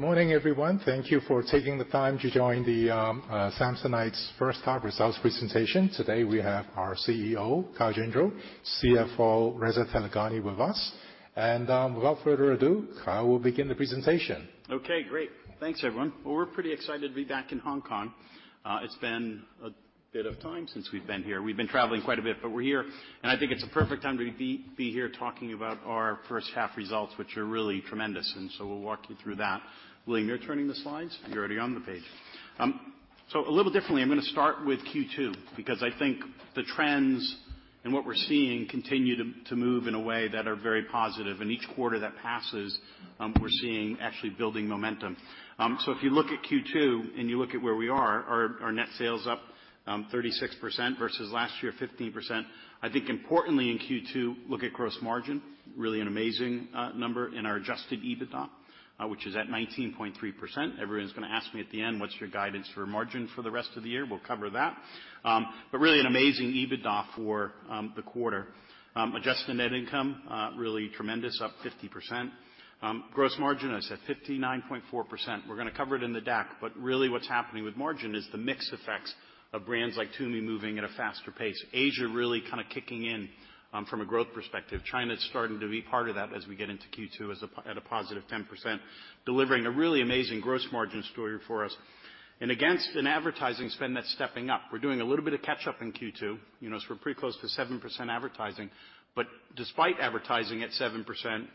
Good morning, everyone. Thank you for taking the time to join the Samsonite's first half results presentation. Today, we have our CEO, Kyle Gendreau, CFO, Reza Taleghani, with us. Without further ado, Kyle will begin the presentation. Okay, great. Thanks, everyone. Well, we're pretty excited to be back in Hong Kong. It's been a bit of time since we've been here. We've been traveling quite a bit, but we're here, and I think it's a perfect time to be here talking about our first half results, which are really tremendous, and so we'll walk you through that. William, you're turning the slides? You're already on the page. A little differently, I'm gonna start with Q2, because I think the trends and what we're seeing continue to move in a way that are very positive, and each quarter that passes, we're seeing actually building momentum. If you look at Q2, and you look at where we are, our net sales up, 36% versus last year, 15%. I think importantly in Q2, look at gross margin, really an amazing number in our adjusted EBITDA, which is at 19.3%. Everyone's gonna ask me at the end, "What's your guidance for margin for the rest of the year?" We'll cover that. Really an amazing EBITDA for the quarter. Adjusted net income, really tremendous, up 50%. Gross margin, as I said, 59.4%. We're gonna cover it in the deck, but really what's happening with margin is the mix effects of brands like Tumi moving at a faster pace. Asia really kind of kicking in from a growth perspective. China is starting to be part of that as we get into Q2 at a positive 10%, delivering a really amazing gross margin story for us. Against an advertising spend that's stepping up. We're doing a little bit of catch-up in Q2, you know, so we're pretty close to 7% advertising. Despite advertising at 7%,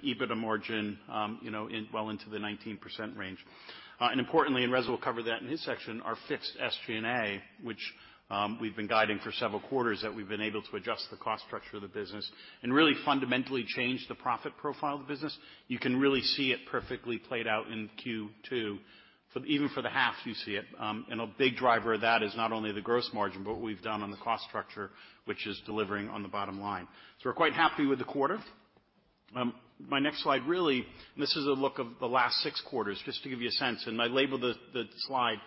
EBITDA margin, you know, in, well into the 19% range. Importantly, and Reza will cover that in his section, our fixed SG&A, which we've been guiding for several quarters, that we've been able to adjust the cost structure of the business and really fundamentally change the profit profile of the business. You can really see it perfectly played out in Q2. Even for the half, you see it. A big driver of that is not only the gross margin, but what we've done on the cost structure, which is delivering on the bottom line. We're quite happy with the quarter. My next slide, really, this is a look of the last six quarters, just to give you a sense, and I labeled the, the slide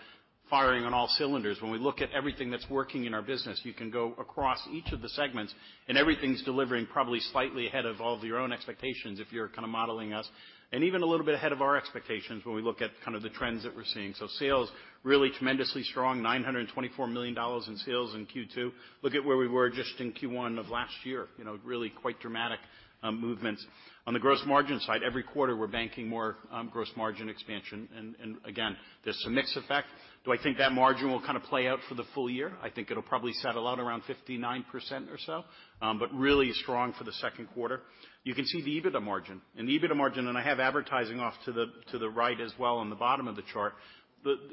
firing on all cylinders. When we look at everything that's working in our business, you can go across each of the segments, and everything's delivering probably slightly ahead of all of your own expectations, if you're kind of modeling us, and even a little bit ahead of our expectations when we look at kind of the trends that we're seeing. Sales, really tremendously strong, $924 million in sales in Q2. Look at where we were just in Q1 of last year, you know, really quite dramatic movements. On the gross margin side, every quarter, we're banking more gross margin expansion, and, and again, there's some mix effect. Do I think that margin will kind of play out for the full-year? I think it'll probably settle out around 59% or so, but really strong for the second quarter. You can see the EBITDA margin, and the EBITDA margin, and I have advertising off to the, to the right as well on the bottom of the chart.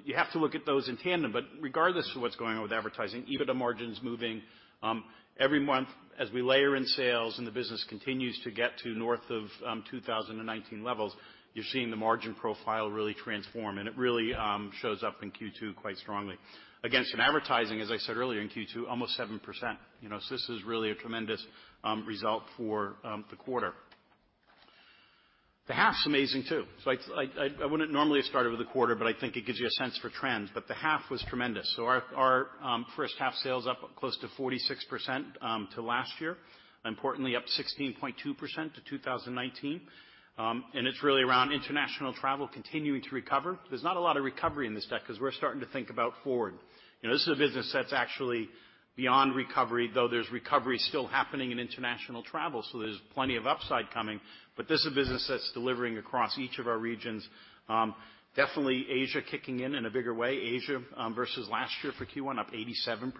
You have to look at those in tandem, but regardless of what's going on with advertising, EBITDA margin's moving every month as we layer in sales and the business continues to get to north of 2019 levels, you're seeing the margin profile really transform, and it really shows up in Q2 quite strongly. Against an advertising, as I said earlier, in Q2, almost 7%. You know, this is really a tremendous result for the quarter. The half's amazing, too. I, I, I wouldn't normally have started with the quarter, but I think it gives you a sense for trends, but the half was tremendous. Our, our, first half sales up close to 46% to last year, and importantly, up 16.2% to 2019. It's really around international travel continuing to recover. There's not a lot of recovery in this deck because we're starting to think about forward. You know, this is a business that's actually beyond recovery, though there's recovery still happening in international travel, so there's plenty of upside coming. This is a business that's delivering across each of our regions. Definitely Asia kicking in in a bigger way. Asia, versus last year for Q1, up 87%,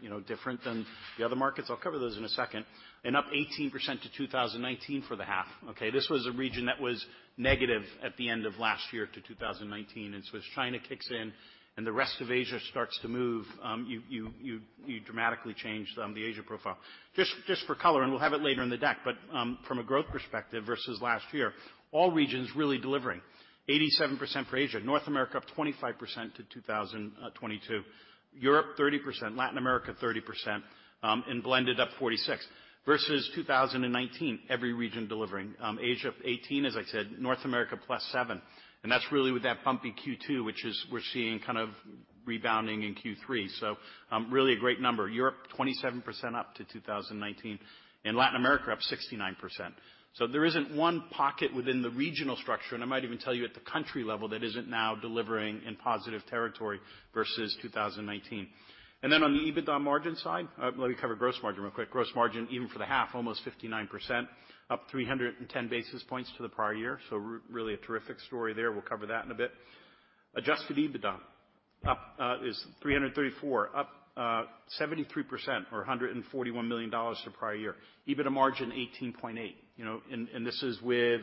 you know, different than the other markets. I'll cover those in a second. Up 18% to 2019 for the half, okay? This was a region that was negative at the end of last year to 2019, and so as China kicks in and the rest of Asia starts to move, you dramatically change the Asia profile. Just for color, and we'll have it later in the deck, but from a growth perspective versus last year, all regions really delivering. 87% for Asia, North America, up 25% to 2022, Europe, 30%, Latin America, 30%, and blended up 46. Versus 2019, every region delivering. Asia, up 18, as I said, North America, plus seven, and that's really with that bumpy Q2, which is we're seeing kind of rebounding in Q3. Really a great number. Europe, 27% up to 2019, and Latin America, up 69%. There isn't one pocket within the regional structure, and I might even tell you at the country level, that isn't now delivering in positive territory versus 2019. On the EBITDA margin side, let me cover gross margin real quick. Gross margin, even for the half, almost 59%, up 310 basis points to the prior year, so really a terrific story there. We'll cover that in a bit. Adjusted EBITDA up, is $334, up 73% or $141 million to prior year. EBITDA margin, 18.8%. You know, this is with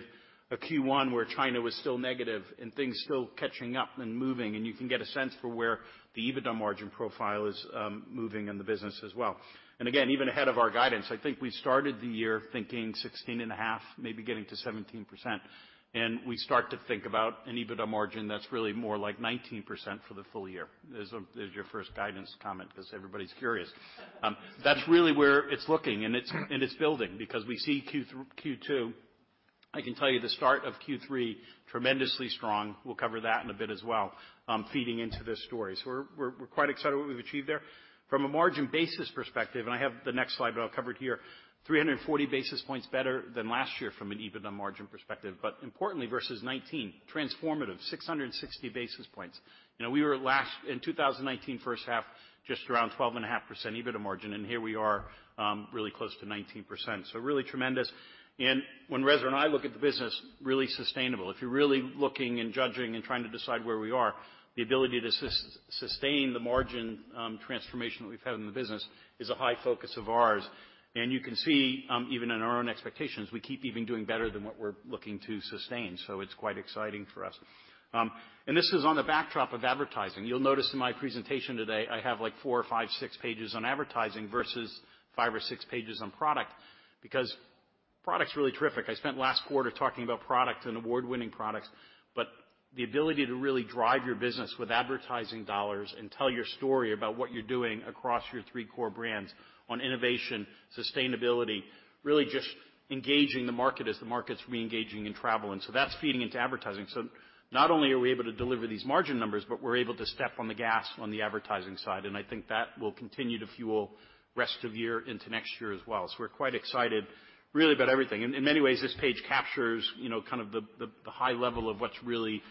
a Q1 where China was still negative and things still catching up and moving, and you can get a sense for where the EBITDA margin profile is moving in the business as well. Again, even ahead of our guidance, I think I started the year thinking 16.5, maybe getting to 17%, and we start to think about an EBITDA margin that's really more like 19% for the full-year. There's, there's your first guidance comment, because everybody's curious. That's really where it's looking, and it's, and it's building because we see the start of Q3, tremendously strong. We'll cover that in a bit as well, feeding into this story. We're, we're, we're quite excited what we've achieved there. From a margin basis perspective, I have the next slide, but I'll cover it here, 340 basis points better than last year from an EBITDA margin perspective. Importantly, versus 2019, transformative, 660 basis points. You know, we were in 2019, first half, just around 12.5% EBITDA margin. Here we are, really close to 19%, really tremendous. When Reza and I look at the business, really sustainable. If you're really looking and judging and trying to decide where we are, the ability to sustain the margin transformation that we've had in the business is a high focus of ours. You can see, even in our own expectations, we keep even doing better than what we're looking to sustain, it's quite exciting for us. This is on the backdrop of advertising. You'll notice in my presentation today, I have, like, four, five, six pages on advertising versus five or six pages on product, because product's really terrific. I spent last quarter talking about product and award-winning products, but the ability to really drive your business with advertising dollars and tell your story about what you're doing across your three core brands on innovation, sustainability, really just engaging the market as the market's reengaging in travel. That's feeding into advertising. Not only are we able to deliver these margin numbers, but we're able to step on the gas on the advertising side, and I think that will continue to fuel rest of year into next year as well. We're quite excited really about everything. In, in many ways, this page captures, you know, kind of the, the, the high level of what's really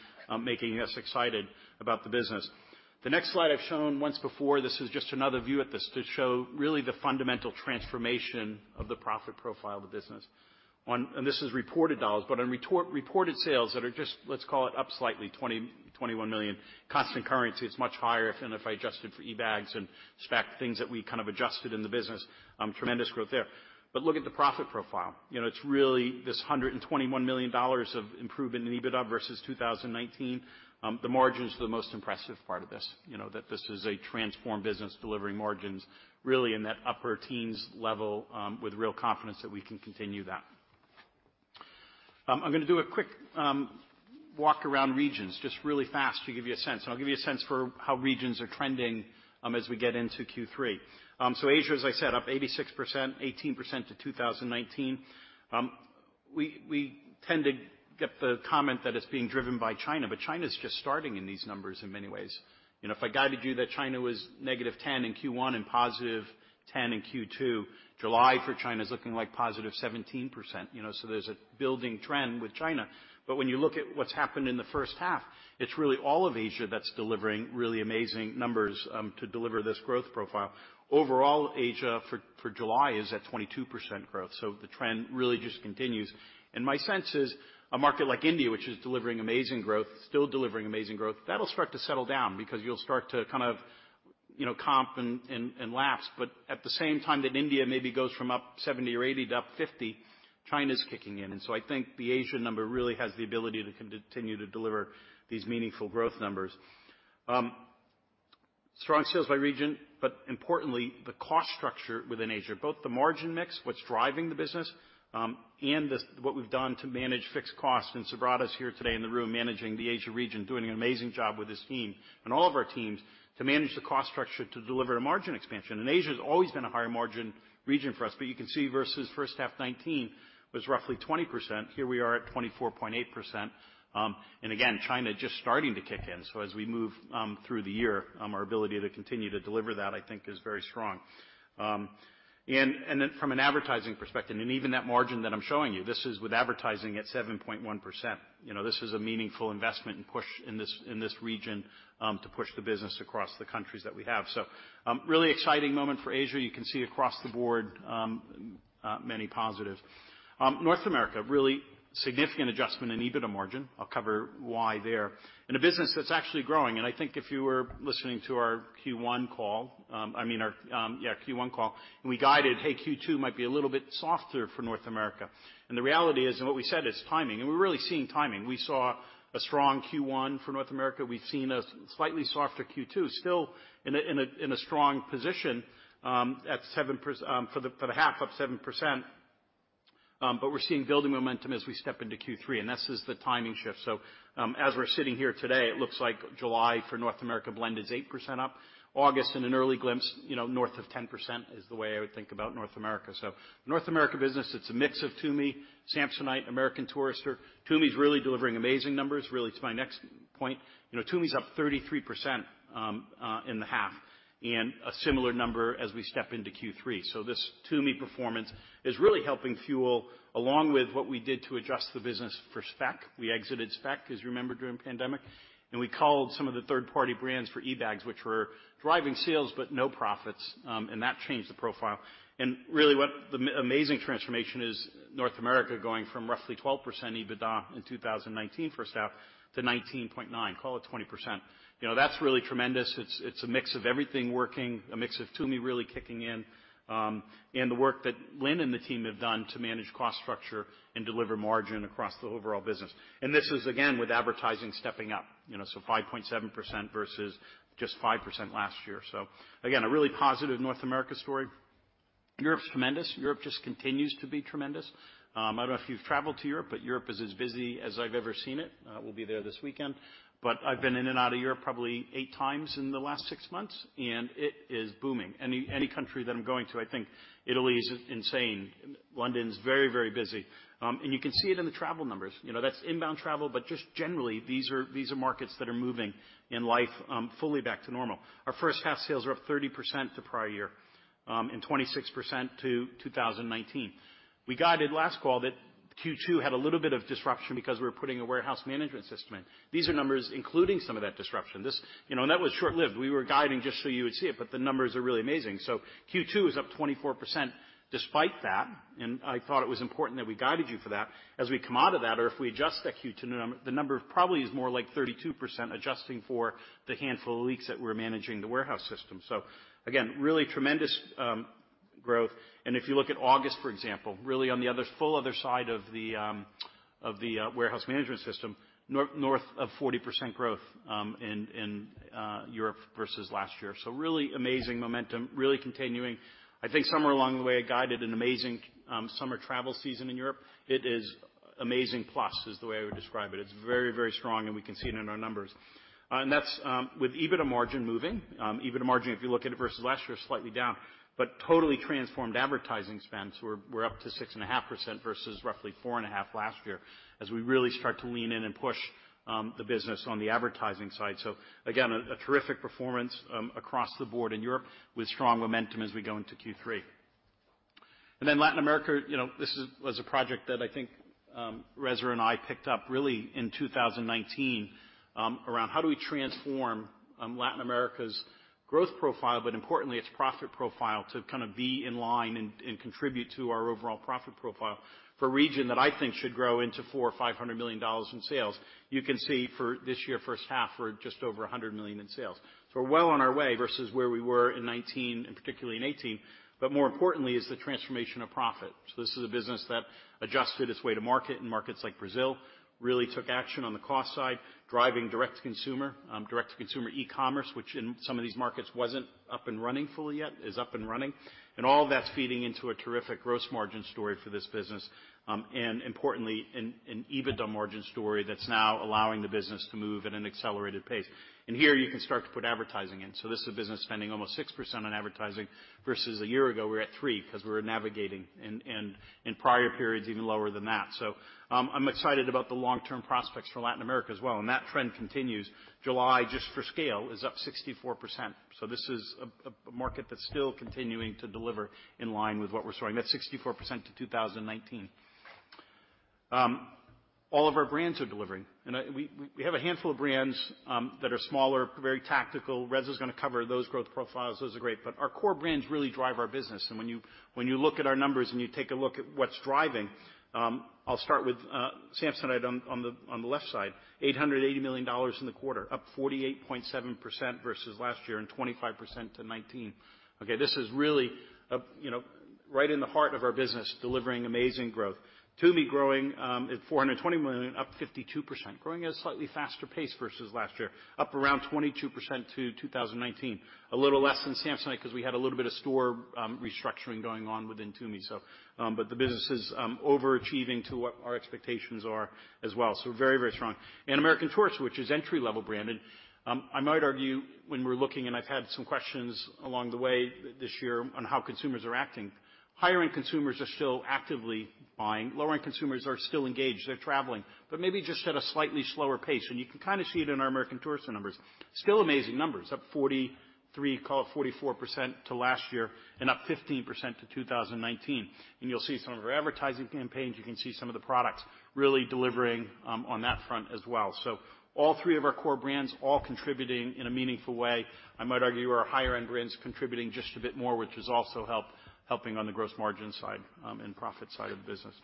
making us excited about the business. The next slide I've shown once before, this is just another view at this to show really the fundamental transformation of the profit profile of the business. This is reported dollars, but on reported sales that are just, let's call it, up slightly, $21 million. Constant currency, it's much higher than if I adjusted for eBags and Speck things that we kind of adjusted in the business, tremendous growth there. Look at the profit profile. You know, it's really this $121 million of improvement in EBITDA versus 2019. The margins are the most impressive part of this. You know, that this is a transformed business, delivering margins really in that upper teens level, with real confidence that we can continue that. I'm gonna do a quick walk around regions, just really fast to give you a sense. I'll give you a sense for how regions are trending, as we get into Q3. Asia, as I said, up 86%, 18% to 2019. We, we tend to get the comment that it's being driven by China, but China's just starting in these numbers in many ways. You know, if I guided you that China was -10% in Q1 and +10% in Q2, July for China is looking like +17%. You know, there's a building trend with China. When you look at what's happened in the first half, it's really all of Asia that's delivering really amazing numbers to deliver this growth profile. Overall, Asia, for, for July, is at 22% growth, so the trend really just continues. My sense is, a market like India, which is delivering amazing growth, still delivering amazing growth, that'll start to settle down because you'll start to kind of, you know, comp and, and, and lapse. At the same time that India maybe goes from up 70% or 80% to up 50%, China's kicking in. I think the Asia number really has the ability to continue to deliver these meaningful growth numbers. Strong sales by region, importantly, the cost structure within Asia, both the margin mix, what's driving the business, and what we've done to manage fixed costs, Subrata's here today in the room, managing the Asia region, doing an amazing job with his team and all of our teams to manage the cost structure to deliver a margin expansion. Asia's always been a higher margin region for us, but you can see versus first half 2019, was roughly 20%. Here we are at 24.8%. Again, China just starting to kick in. As we move through the year, our ability to continue to deliver that, I think, is very strong. And then from an advertising perspective, and even that margin that I'm showing you, this is with advertising at 7.1%. You know, this is a meaningful investment and push in this, in this region, to push the business across the countries that we have. Really exciting moment for Asia. You can see across the board, many positives. North America, really significant adjustment in EBITDA margin. I'll cover why there. In a business that's actually growing, and I think if you were listening to our Q1 call, I mean our... yeah, Q1 call, we guided, "Hey, Q2 might be a little bit softer for North America." The reality is, and what we said, it's timing, and we're really seeing timing. We saw a strong Q1 for North America. We've seen a slightly softer Q2, still in a, in a, in a strong position, for the half up 7%. We're seeing building momentum as we step into Q3. This is the timing shift. As we're sitting here today, it looks like July for North America, blend is 8% up. August, in an early glimpse, you know, north of 10% is the way I would think about North America. North America business, it's a mix of Tumi, Samsonite, American Tourister. Tumi's really delivering amazing numbers, really to my next point. You know, Tumi's up 33% in the half, a similar number as we step into Q3. This Tumi performance is really helping fuel, along with what we did to adjust the business for Speck. We exited Speck, as you remember, during pandemic, we culled some of the third-party brands for eBags, which were driving sales, but no profits, that changed the profile. Really, what the amazing transformation is North America going from roughly 12% EBITDA in 2019, first half, to 19.9, call it 20%. You know, that's really tremendous. It's, it's a mix of everything working, a mix of Tumi really kicking in, and the work that Lynn and the team have done to manage cost structure and deliver margin across the overall business. This is, again, with advertising stepping up, you know, so 5.7% versus just 5% last year. Again, a really positive North America story. Europe's tremendous. Europe just continues to be tremendous. I don't know if you've traveled to Europe, but Europe is as busy as I've ever seen it. We'll be there this weekend, but I've been in and out of Europe probably eight times in the last six months, and it is booming. Any, any country that I'm going to, Italy is insane. London's very, very busy. You can see it in the travel numbers. You know, that's inbound travel, but just generally, these are, these are markets that are moving in life, fully back to normal. Our first half sales are up 30% to prior year, and 26% to 2019. We guided last call that Q2 had a little bit of disruption because we were putting a warehouse management system in. These are numbers including some of that disruption. You know, and that was short-lived. We were guiding just so you would see it, but the numbers are really amazing. Q2 is up 24% despite that, and I thought it was important that we guided you for that. As we come out of that, or if we adjust that Q2 the number probably is more like 32%, adjusting for the handful of leaks that we're managing the warehouse system. Again, really tremendous growth. If you look at August, for example, really on the other, full other side of the warehouse management system, north of 40% growth in Europe versus last year. Really amazing momentum, really continuing. I think somewhere along the way, I guided an amazing summer travel season in Europe. It is amazing plus, is the way I would describe it. It's very, very strong, and we can see it in our numbers. And that's with EBITDA margin moving. EBITDA margin, if you look at it versus last year, slightly down, but totally transformed advertising spends. We're, we're up to 6.5% versus roughly 4.5% last year, as we really start to lean in and push the business on the advertising side. Again, a, a terrific performance across the board in Europe with strong momentum as we go into Q3. Latin America, you know, this is... was a project that I think Reza and I picked up really in 2019, around how do we transform Latin America's growth profile, but importantly, its profit profile, to kind of be in line and, and contribute to our overall profit profile for a region that I think should grow into $400 million-$500 million in sales. You can see for this year, first half, we're at just over $100 million in sales. We're well on our way versus where we were in 2019 and particularly in 2018, but more importantly is the transformation of profit. This is a business that adjusted its way to market, and markets like Brazil really took action on the cost side, driving direct-to-consumer, direct-to-consumer e-commerce, which in some of these markets wasn't up and running fully yet, is up and running. All of that's feeding into a terrific gross margin story for this business, and importantly, an EBITDA margin story that's now allowing the business to move at an accelerated pace. Here you can start to put advertising in. This is a business spending almost 6% on advertising, versus a year ago, we were at 3%, because we were navigating in prior periods, even lower than that. I'm excited about the long-term prospects for Latin America as well, and that trend continues. July, just for scale, is up 64%, this is a market that's still continuing to deliver in line with what we're seeing. That's 64% to 2019. All of our brands are delivering, and we have a handful of brands that are smaller, very tactical. Reza's gonna cover those growth profiles. Those are great, our core brands really drive our business. When you, when you look at our numbers and you take a look at what's driving, I'll start with Samsonite on, on the, on the left side, $880 million in the quarter, up 48.7% versus last year, and 25% to 2019. This is really, you know, right in the heart of our business, delivering amazing growth. Tumi growing at $420 million, up 52%, growing at a slightly faster pace versus last year, up around 22% to 2019. A little less than Samsonite, because we had a little bit of store restructuring going on within Tumi, so, but the business is overachieving to what our expectations are as well. Very, very strong. American Tourister, which is entry-level brand, and I might argue when we're looking, and I've had some questions along the way this year on how consumers are acting, higher-end consumers are still actively buying. Lower-end consumers are still engaged, they're traveling, but maybe just at a slightly slower pace. You can kind of see it in our American Tourister numbers. Still amazing numbers, up 43, call it 44% to last year and up 15% to 2019. You'll see some of our advertising campaigns, you can see some of the products really delivering on that front as well. All three of our core brands, all contributing in a meaningful way. I might argue, our higher-end brands contributing just a bit more, which has also helping on the gross margin side and profit side of the business.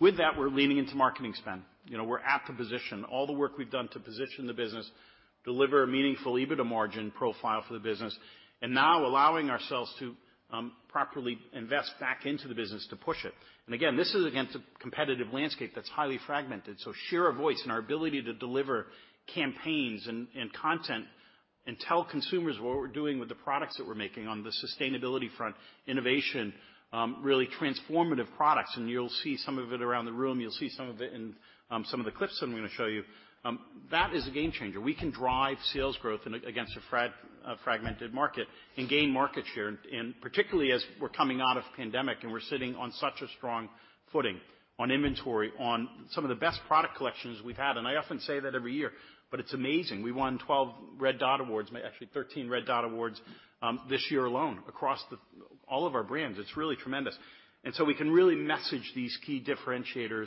With that, we're leaning into marketing spend. You know, we're at the position. All the work we've done to position the business, deliver a meaningful EBITDA margin profile for the business, and now allowing ourselves to properly invest back into the business to push it. Again, this is against a competitive landscape that's highly fragmented, so share a voice in our ability to deliver campaigns and content and tell consumers what we're doing with the products that we're making on the sustainability front, innovation, really transformative products, and you'll see some of it around the room. You'll see some of it in some of the clips that I'm going to show you. That is a game changer. We can drive sales growth against a fragmented market and gain market share, particularly as we're coming out of pandemic, and we're sitting on such a strong footing on inventory, on some of the best product collections we've had. I often say that every year, but it's amazing. We won 12 Red Dot awards, may actually 13 Red Dot awards, this year alone, across all of our brands. It's really tremendous. We can really message these key differentiators,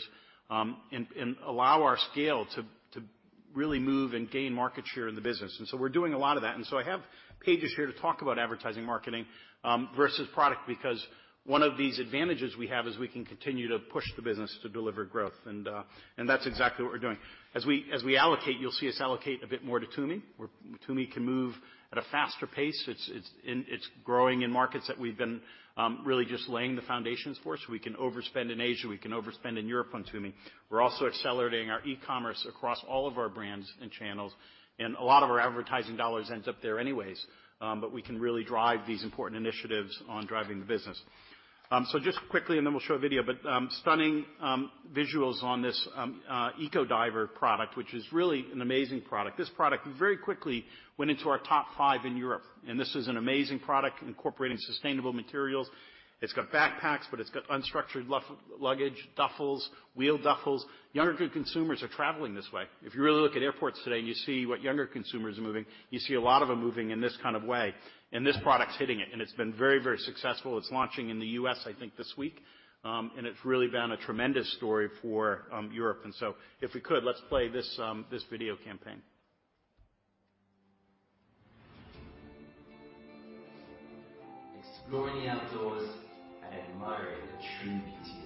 and allow our scale to, to really move and gain market share in the business. We're doing a lot of that. So I have pages here to talk about advertising, marketing, versus product, because one of these advantages we have is we can continue to push the business to deliver growth, and that's exactly what we're doing. As we, as we allocate, you'll see us allocate a bit more to Tumi, where Tumi can move at a faster pace. It's growing in markets that we've been really just laying the foundations for, so we can overspend in Asia, we can overspend in Europe on Tumi. We're also accelerating our e-commerce across all of our brands and channels. A lot of our advertising dollars ends up there anyways. We can really drive these important initiatives on driving the business.... So just quickly and then we'll show a video, but stunning visuals on this Ecodiver product, which is really an amazing product. This product very quickly went into our top five in Europe, and this is an amazing product incorporating sustainable materials. It's got backpacks, but it's got unstructured luggage, duffels, wheeled duffels. Younger good consumers are traveling this way. If you really look at airports today, and you see what younger consumers are moving, you see a lot of them moving in this kind of way, and this product is hitting it, and it's been very, very successful. It's launching in the U.S., I think, this week. It's really been a tremendous story for Europe. So if we could, let's play this video campaign. Exploring the outdoors and admiring the true beauty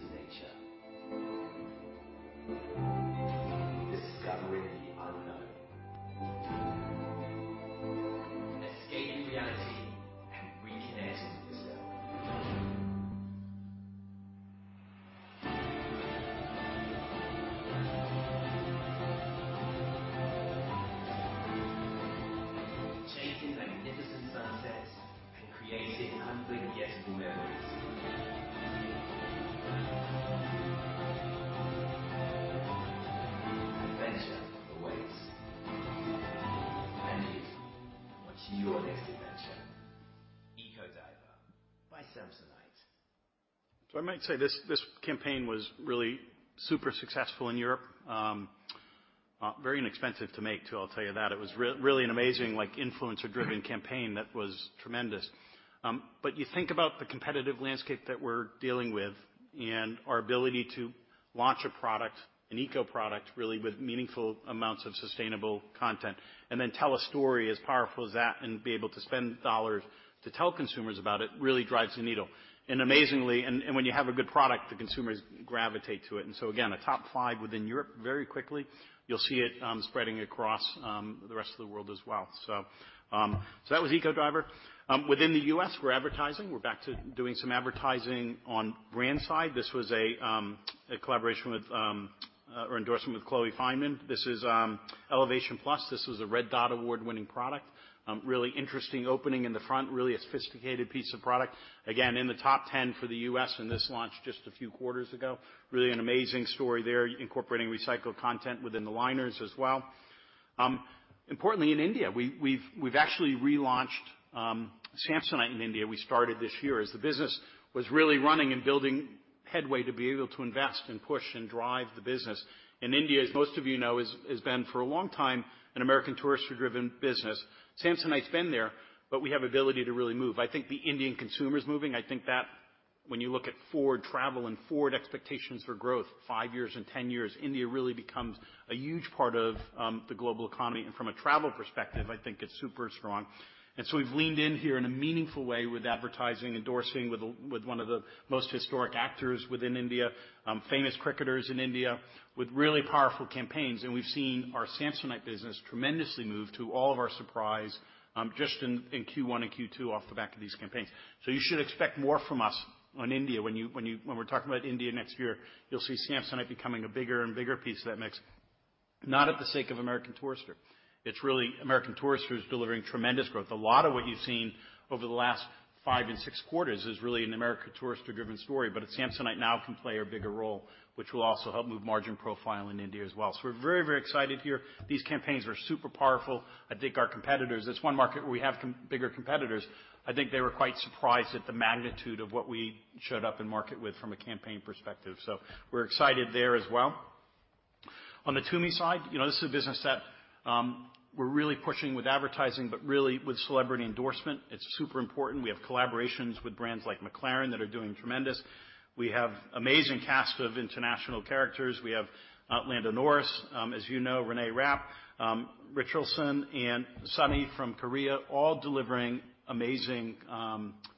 of nature. Discovering the unknown. Escaping reality and reconnecting with yourself. Chasing magnificent sunsets and creating unforgettable memories. Adventure awaits. What's your next adventure? Ecodiver by Samsonite. I might say, this, this campaign was really super successful in Europe. Very inexpensive to make, too, I'll tell you that. It was really an amazing, like, influencer-driven campaign that was tremendous. You think about the competitive landscape that we're dealing with and our ability to launch a product, an eco product, really, with meaningful amounts of sustainable content, and then tell a story as powerful as that, and be able to spend dollars to tell consumers about it, really drives the needle. Amazingly, when you have a good product, the consumers gravitate to it. Again, a top five within Europe very quickly. You'll see it spreading across the rest of the world as well. That was Ecodiver. Within the U.S., we're advertising. We're back to doing some advertising on brand side. This was a collaboration with or endorsement with Chloe Fineman. This is Elevation Plus. This was a Red Dot Award-winning product. Really interesting opening in the front, really a sophisticated piece of product. Again, in the top 10 for the U.S., and this launched just a few quarters ago. Really an amazing story there, incorporating recycled content within the liners as well. Importantly, in India, we've, we've actually relaunched Samsonite in India. We started this year as the business was really running and building headway to be able to invest and push and drive the business. India, as most of you know, is, is been, for a long time, an American Tourister-driven business. Samsonite's been there, but we have ability to really move. I think the Indian consumer is moving. I think that when you look at forward travel and forward expectations for growth, five years and 10 years, India really becomes a huge part of the global economy, and from a travel perspective, I think it's super strong. We've leaned in here in a meaningful way with advertising, endorsing with, with one of the most historic actors within India, famous cricketers in India, with really powerful campaigns. We've seen our Samsonite business tremendously move to all of our surprise, just in Q1 and Q2 off the back of these campaigns. You should expect more from us on India. When we're talking about India next year, you'll see Samsonite becoming a bigger and bigger piece of that mix, not at the sake of American Tourister. It's really American Tourister who's delivering tremendous growth. A lot of what you've seen over the last five and six quarters is really an American Tourister-driven story, at Samsonite now can play a bigger role, which will also help move margin profile in India as well. We're very, very excited here. These campaigns are super powerful. I think our competitors, that's one market where we have bigger competitors. I think they were quite surprised at the magnitude of what we showed up in market with from a campaign perspective, we're excited there as well. On the Tumi side, you know, this is a business that we're really pushing with advertising, really with celebrity endorsement. It's super important. We have collaborations with brands like McLaren that are doing tremendous. We have amazing cast of international characters. We have Lando Norris, as you know, Reneé Rapp, Richarlison, and Sunny from Korea, all delivering amazing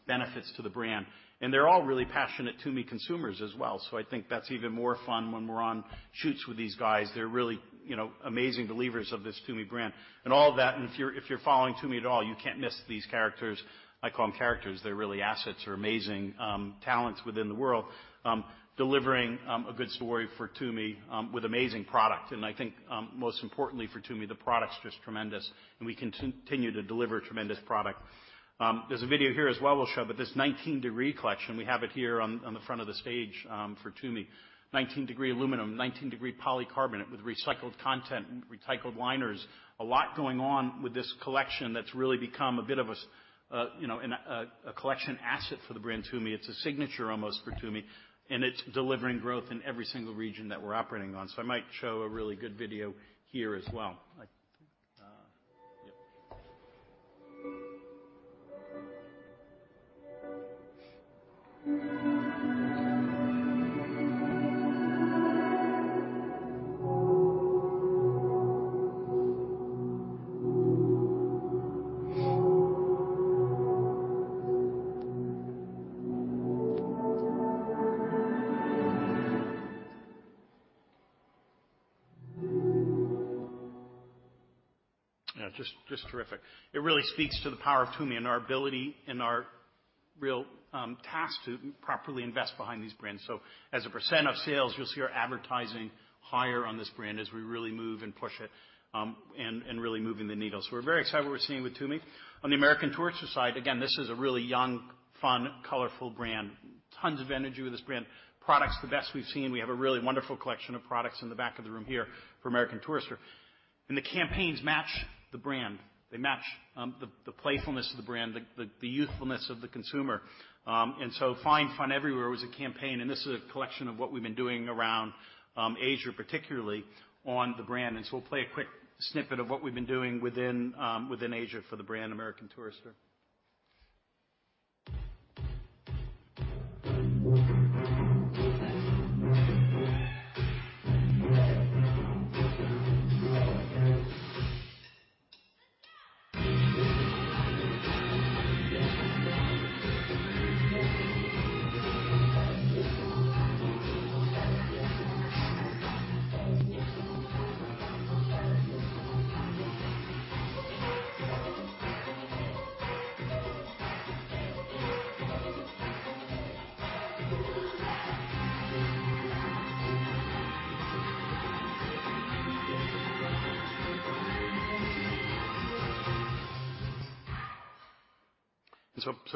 benefits to the brand. They're all really passionate Tumi consumers as well, so I think that's even more fun when we're on shoots with these guys. They're really, you know, amazing believers of this Tumi brand. All of that, and if you're, if you're following Tumi at all, you can't miss these characters. I call them characters. They're really assets or amazing talents within the world, delivering a good story for Tumi, with amazing product. I think, most importantly for Tumi, the product's just tremendous, and we continue to deliver tremendous product. There's a video here as well we'll show, but this 19 Degree collection, we have it here on, on the front of the stage, for Tumi. 19 Degree aluminum, 19 Degree polycarbonate with recycled content and recycled liners. A lot going on with this collection that's really become a bit of a, you know, a collection asset for the brand Tumi. It's a signature almost for Tumi, and it's delivering growth in every single region that we're operating on. I might show a really good video here as well. I. Yep. Yeah, just, just terrific. It really speaks to the power of Tumi and our ability and our real task to properly invest behind these brands. As a percent of sales, you'll see our advertising higher on this brand as we really move and push it, and, and really moving the needle. We're very excited what we're seeing with Tumi. On the American Tourister side, again, this is a really young, fun, colorful brand. Tons of energy with this brand. Product's the best we've seen. We have a really wonderful collection of products in the back of the room here for American Tourister. The campaigns match the brand. They match the, the playfulness of the brand, the, the, the youthfulness of the consumer. Find Fun Everywhere was a campaign, and this is a collection of what we've been doing around Asia, particularly on the brand. We'll play a quick snippet of what we've been doing within Asia for the brand, American Tourister.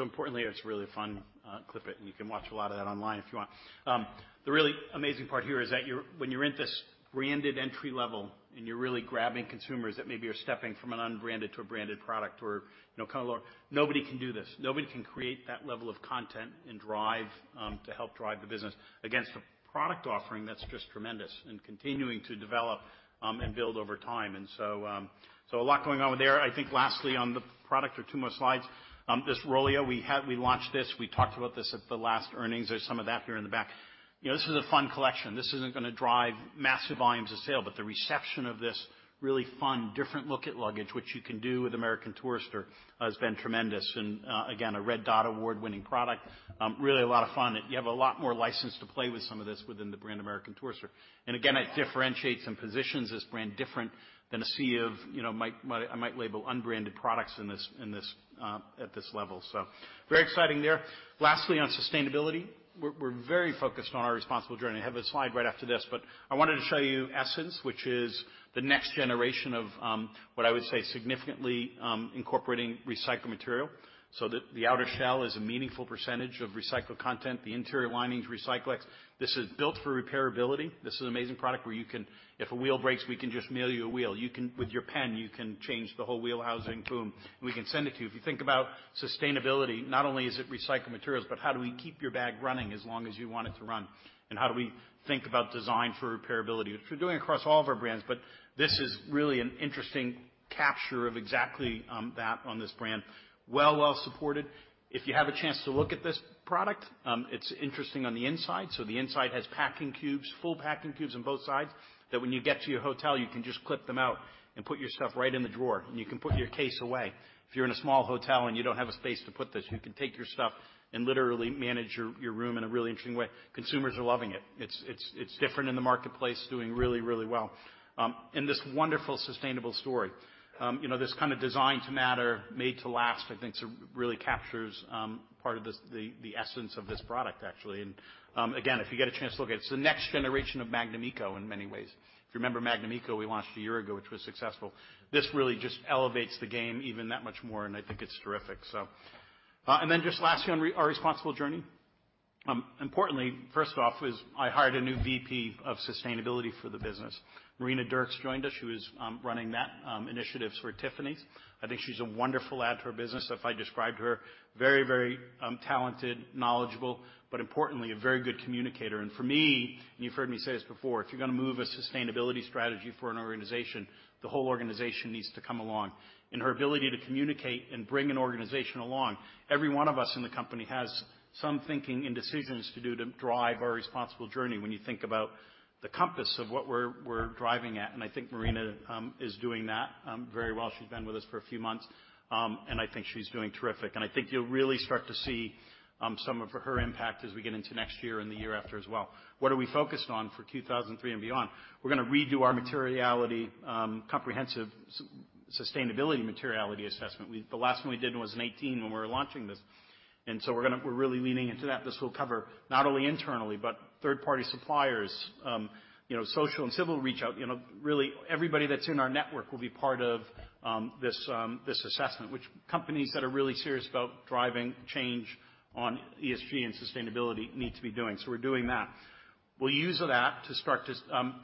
Importantly, it's a really fun clip, and you can watch a lot of that online if you want. The really amazing part here is that when you're in this branded entry level, and you're really grabbing consumers that maybe are stepping from an unbranded to a branded product or, you know, kind of low, nobody can do this. Nobody can create that level of content and drive to help drive the business against a product offering that's just tremendous and continuing to develop and build over time. So a lot going on with there. I think lastly, on the product or two more slides, this Rollio, we launched this. We talked about this at the last earnings. There's some of that here in the back. You know, this is a fun collection. This isn't gonna drive massive volumes of sale, but the reception of this really fun, different look at luggage, which you can do with American Tourister, has been tremendous, and again, a Red Dot Award-winning product. Really a lot of fun. You have a lot more license to play with some of this within the brand, American Tourister. Again, it differentiates and positions this brand different than a sea of, you know, might, might, I might label unbranded products in this, in this, at this level. Very exciting there. Lastly, on sustainability, we're, we're very focused on our responsible journey. I have a slide right after this, but I wanted to show you Essens, which is the next generation of, what I would say, significantly, incorporating recycled material so that the outer shell is a meaningful percentage of recycled content, the interior lining is Recyclex. This is built for repairability. This is an amazing product where you can if a wheel breaks, we can just mail you a wheel. You can... With your pen, you can change the whole wheel housing, boom! We can send it to you. If you think about sustainability, not only is it recycled materials, but how do we keep your bag running as long as you want it to run? How do we think about design for repairability, which we're doing across all of our brands, but this is really an interesting capture of exactly, that on this brand. Well, well supported. If you have a chance to look at this product, it's interesting on the inside. The inside has packing cubes, full packing cubes on both sides, that when you get to your hotel, you can just clip them out and put your stuff right in the drawer, and you can put your case away. If you're in a small hotel, and you don't have a space to put this, you can take your stuff and literally manage your, your room in a really interesting way. Consumers are loving it. It's, it's, it's different in the marketplace, doing really, really well. This wonderful, sustainable story. You know, this kind of design to matter, made to last, I think, sort of really captures, part of the the, the essence of this product, actually. Again, if you get a chance to look at it, it's the next generation of Magnum Eco in many ways. If you remember Magnum Eco, we launched a year ago, which was successful. This really just elevates the game even that much more, and I think it's terrific. Just lastly, on re- our responsible journey. Importantly, first off, is I hired a new VP of sustainability for the business. Marina Dirks joined us. She was running that initiatives for Tiffany's. I think she's a wonderful add to our business. If I described her, very, very talented, knowledgeable, but importantly, a very good communicator. For me, and you've heard me say this before, if you're gonna move a sustainability strategy for an organization, the whole organization needs to come along. Her ability to communicate and bring an organization along, every one of us in the company has some thinking and decisions to do to drive our responsible journey when you think about the compass of what we're driving at. I think Marina is doing that very well. She's been with us for a few months, and I think she's doing terrific. I think you'll really start to see some of her impact as we get into next year and the year after as well. What are we focused on for 2003 and beyond? We're gonna redo our materiality, comprehensive sustainability materiality assessment. The last one we did was in 2018 when we were launching this. We're really leaning into that. This will cover not only internally, but third-party suppliers, you know, social and civil reach out. You know, really, everybody that's in our network will be part of this, this assessment, which companies that are really serious about driving change on ESG and sustainability need to be doing. We're doing that. We'll use that to start to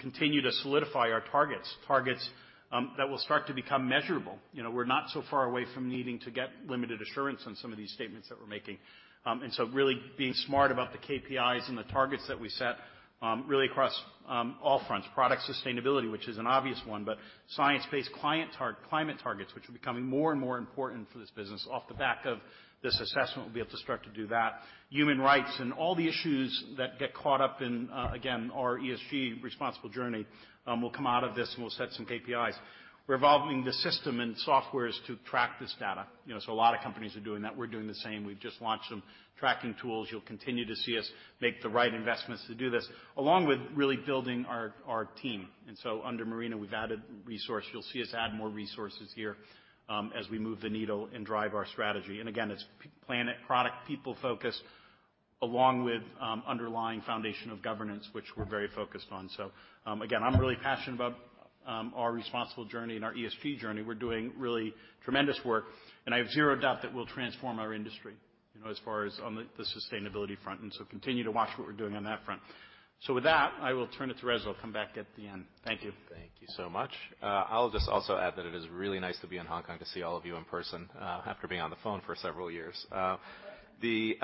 continue to solidify our targets, targets, that will start to become measurable. You know, we're not so far away from needing to get limited assurance on some of these statements that we're making. So really being smart about the KPIs and the targets that we set, really across all fronts. Product sustainability, which is an obvious one, but science-based climate targets, which are becoming more and more important for this business. Off the back of this assessment, we'll be able to start to do that. Human rights and all the issues that get caught up in, again, our ESG responsible journey, will come out of this, and we'll set some KPIs. We're evolving the system and softwares to track this data. You know, so a lot of companies are doing that. We're doing the same. We've just launched some tracking tools. You'll continue to see us make the right investments to do this, along with really building our team. So under Marina, we've added resource. You'll see us add more resources here, as we move the needle and drive our strategy. Again, it's planet, product, people focused. along with, underlying foundation of governance, which we're very focused on. Again, I'm really passionate about, our responsible journey and our ESG journey. We're doing really tremendous work, and I have zero doubt that we'll transform our industry, you know, as far as on the sustainability front. Continue to watch what we're doing on that front. With that, I will turn it to Reza. I'll come back at the end. Thank you. Thank you so much. I'll just also add that it is really nice to be in Hong Kong, to see all of you in person, after being on the phone for several years. This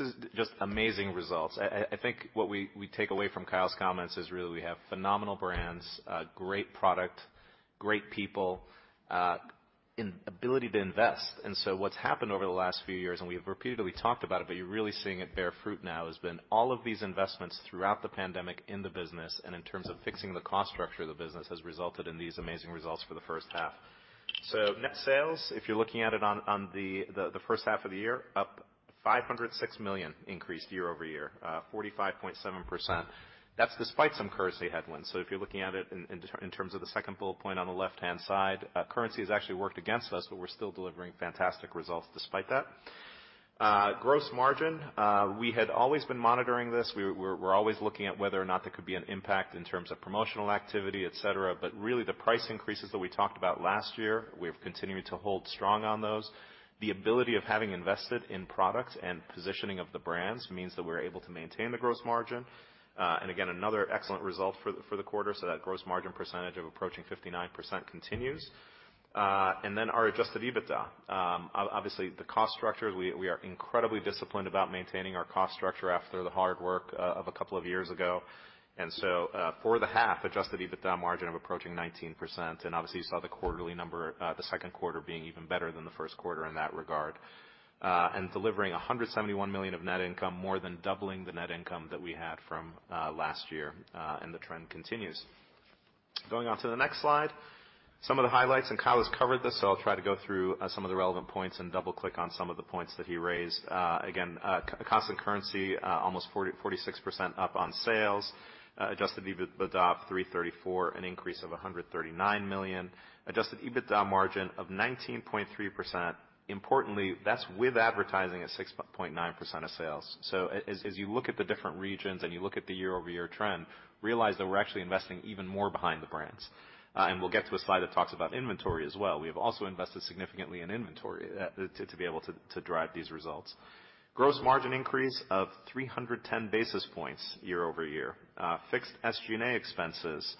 is just amazing results. I think what we take away from Kyle's comments is really we have phenomenal brands, great product, great people, and ability to invest. What's happened over the last few years, and we have repeatedly talked about it, but you're really seeing it bear fruit now, has been all of these investments throughout the pandemic in the business and in terms of fixing the cost structure of the business, has resulted in these amazing results for the first half. Net sales, if you're looking at it on, on the, the first half of the year, up $506 million increased year-over-year, 45.7%. That's despite some currency headwinds. If you're looking at it in, in, in terms of the second bullet point on the left-hand side, currency has actually worked against us, but we're still delivering fantastic results despite that. Gross margin, we had always been monitoring this. We, we're, we're always looking at whether or not there could be an impact in terms of promotional activity, et cetera, but really, the price increases that we talked about last year, we have continued to hold strong on those. The ability of having invested in products and positioning of the brands means that we're able to maintain the gross margin. Again, another excellent result for the, for the quarter, so that gross margin percentage of approaching 59% continues. Then our adjusted EBITDA. Obviously, the cost structure, we, we are incredibly disciplined about maintaining our cost structure after the hard work of a couple of years ago. For the half, adjusted EBITDA margin of approaching 19%, and obviously, you saw the quarterly number, the second quarter being even better than the first quarter in that regard. Delivering $171 million of net income, more than doubling the net income that we had from last year, the trend continues. Going on to the next slide, some of the highlights, Kyle has covered this, so I'll try to go through some of the relevant points and double-click on some of the points that he raised. Again, constant currency, almost 46% up on sales. Adjusted EBITDA up $334 million, an increase of $139 million. Adjusted EBITDA margin of 19.3%. Importantly, that's with advertising at 6.9% of sales. As, as you look at the different regions and you look at the year-over-year trend, realize that we're actually investing even more behind the brands. We'll get to a slide that talks about inventory as well. We have also invested significantly in inventory to be able to drive these results. Gross margin increase of 310 basis points year-over-year. Fixed SG&A expenses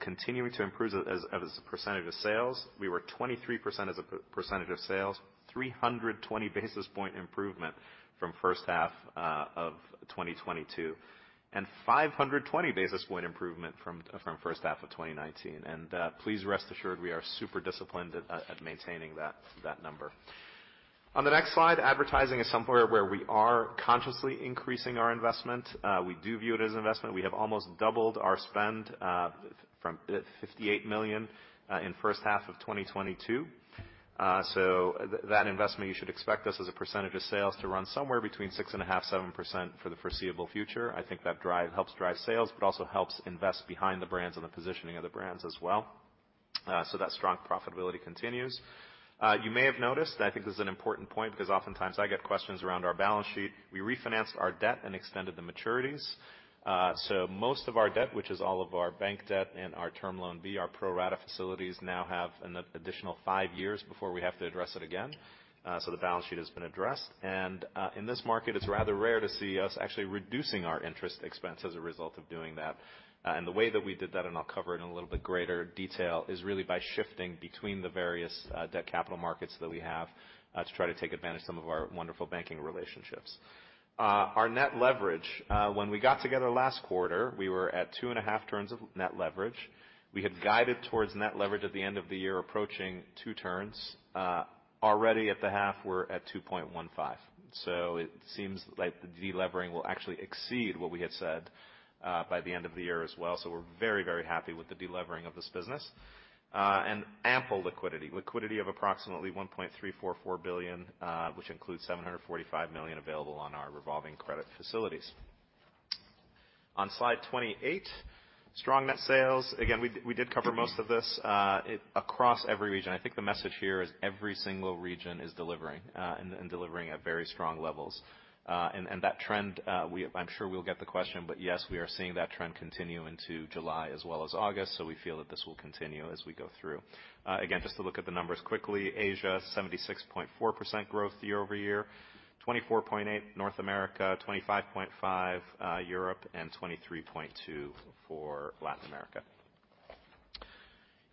continuing to improve as, as a percentage of sales. We were 23% as a percentage of sales, 320 basis point improvement from first half of 2022, and 520 basis point improvement from, from first half of 2019. Please rest assured, we are super disciplined at, at maintaining that, that number. On the next slide, advertising is somewhere where we are consciously increasing our investment. We do view it as investment. We have almost doubled our spend from $58 million in first half of 2022. So th-that investment, you should expect this as a percentage of sales to run somewhere between 6.5%, 7% for the foreseeable future. I think that drive helps drive sales, but also helps invest behind the brands and the positioning of the brands as well. That strong profitability continues. You may have noticed, and I think this is an important point, because oftentimes I get questions around our balance sheet. We refinanced our debt and extended the maturities. Most of our debt, which is all of our bank debt and our Term Loan B, our pro rata facilities, now have an additional five years before we have to address it again. The balance sheet has been addressed, and, in this market, it's rather rare to see us actually reducing our interest expense as a result of doing that. The way that we did that, and I'll cover it in a little bit greater detail, is really by shifting between the various debt capital markets that we have to try to take advantage of some of our wonderful banking relationships. Our net leverage, when we got together last quarter, we were at 2.5 turns of net leverage. We had guided towards net leverage at the end of the year, approaching two turns. Already at the half, we're at 2.15. It seems like the delevering will actually exceed what we had said by the end of the year as well. We're very, very happy with the delevering of this business. Ample liquidity. Liquidity of approximately $1.344 billion, which includes $745 million available on our revolving credit facilities. On slide 28, strong net sales. Again, we did, we did cover most of this. Across every region. I think the message here is every single region is delivering, and delivering at very strong levels. That trend, I'm sure we'll get the question, but yes, we are seeing that trend continue into July as well as August, so we feel that this will continue as we go through. Again, just to look at the numbers quickly, Asia, 76.4% growth year-over-year, 24.8% North America, 25.5% Europe, 23.2% for Latin America.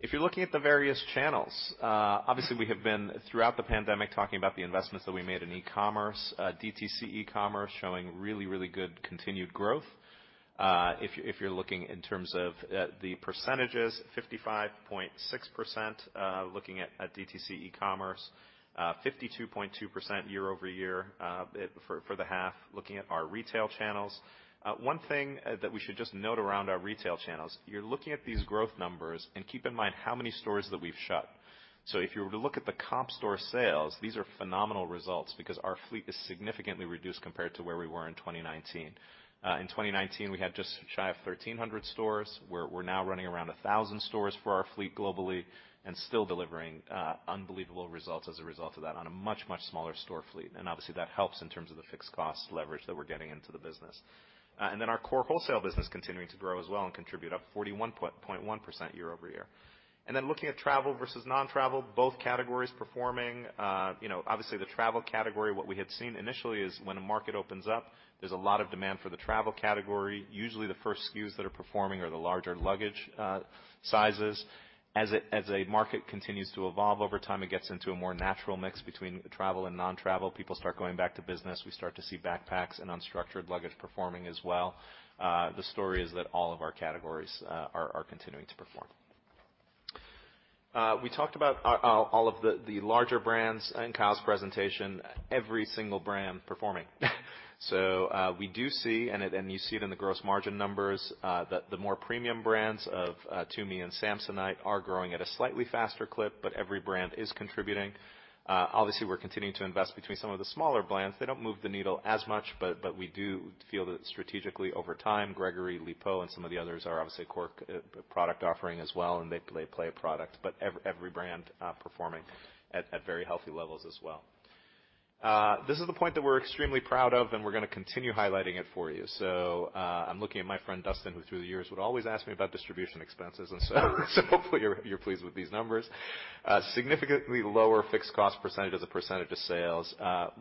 If you're looking at the various channels, obviously, we have been, throughout the pandemic, talking about the investments that we made in e-commerce. DTC e-commerce showing really, really good continued growth. If you, if you're looking in terms of the percentages, 55.6%, looking at DTC e-commerce, 52.2% year-over-year, it, for, for the half, looking at our retail channels. One thing that we should just note around our retail channels, you're looking at these growth numbers and keep in mind how many stores that we've shut. If you were to look at the comparable store sales, these are phenomenal results, because our fleet is significantly reduced compared to where we were in 2019. In 2019, we had just shy of 1,300 stores. We're, we're now running around 1,000 stores for our fleet globally and still delivering unbelievable results as a result of that on a much, much smaller store fleet. Obviously, that helps in terms of the fixed cost leverage that we're getting into the business. Then our core wholesale business continuing to grow as well and contribute up 41.1% year-over-year. Then looking at travel versus non-travel, both categories performing. You know, obviously, the travel category, what we had seen initially is when a market opens up, there's a lot of demand for the travel category. Usually, the first SKUs that are performing are the larger luggage sizes. As a market continues to evolve over time, it gets into a more natural mix between travel and non-travel. People start going back to business. We start to see backpacks and unstructured luggage performing as well. The story is that all of our categories are continuing to perform. We talked about all of the larger brands in Kyle's presentation, every single brand performing. We do see, and you see it in the gross margin numbers, that the more premium brands of Tumi and Samsonite are growing at a slightly faster clip, but every brand is contributing. Obviously, we're continuing to invest between some of the smaller brands. They don't move the needle as much, but we do feel that strategically, over time, Gregory, Lipault, and some of the others are obviously core product offering as well, and they play a product. Every brand performing at very healthy levels as well. This is the point that we're extremely proud of, and we're gonna continue highlighting it for you. I'm looking at my friend, Dustin, who through the years would always ask me about distribution expenses, hopefully, you're pleased with these numbers. Significantly lower fixed cost percentage as a percentage of sales. As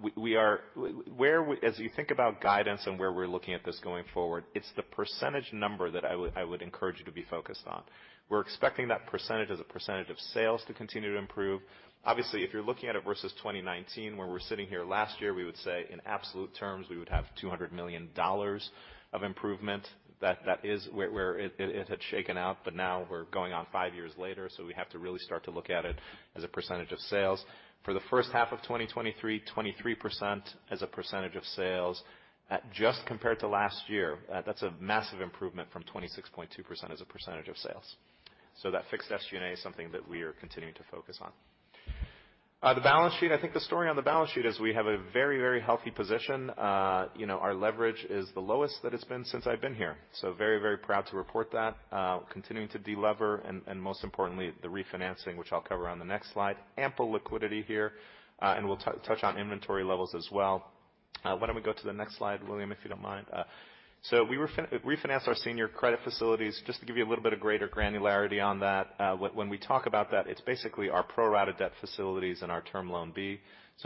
you think about guidance and where we're looking at this going forward, it's the percentage number that I would encourage you to be focused on. We're expecting that percentage as a percentage of sales to continue to improve. Obviously, if you're looking at it versus 2019, where we're sitting here last year, we would say, in absolute terms, we would have $200 million of improvement. That is where it had shaken out. Now we're going on five years later, we have to really start to look at it as a percentage of sales. For the first half of 2023, 23% as a percentage of sales. At just compared to last year, that's a massive improvement from 26.2% as a percentage of sales. That fixed SG&A is something that we are continuing to focus on. The balance sheet. I think the story on the balance sheet is we have a very, very healthy position. You know, our leverage is the lowest that it's been since I've been here, very, very proud to report that. Continuing to delever, and most importantly, the refinancing, which I'll cover on the next slide. Ample liquidity here. We'll touch on inventory levels as well. Why don't we go to the next slide, William, if you don't mind? We refinanced our senior credit facilities. Just to give you a little bit of greater granularity on that, when, when we talk about that, it's basically our pro rata debt facilities and our Term Loan B.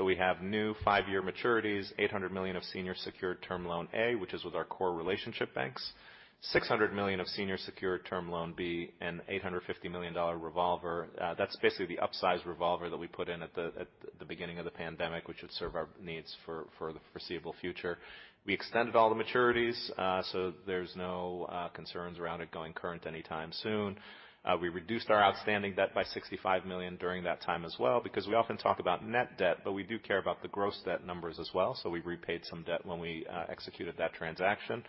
We have new five-year maturities, $800 million of senior secured Term Loan A, which is with our core relationship banks, $600 million of senior secured Term Loan B, and $850 million revolver. That's basically the upsize revolver that we put in at the, at the beginning of the pandemic, which would serve our needs for, for the foreseeable future. We extended all the maturities, so there's no concerns around it going current anytime soon. We reduced our outstanding debt by $65 million during that time as well, because we often talk about net debt, but we do care about the gross debt numbers as well. We repaid some debt when we executed that transaction.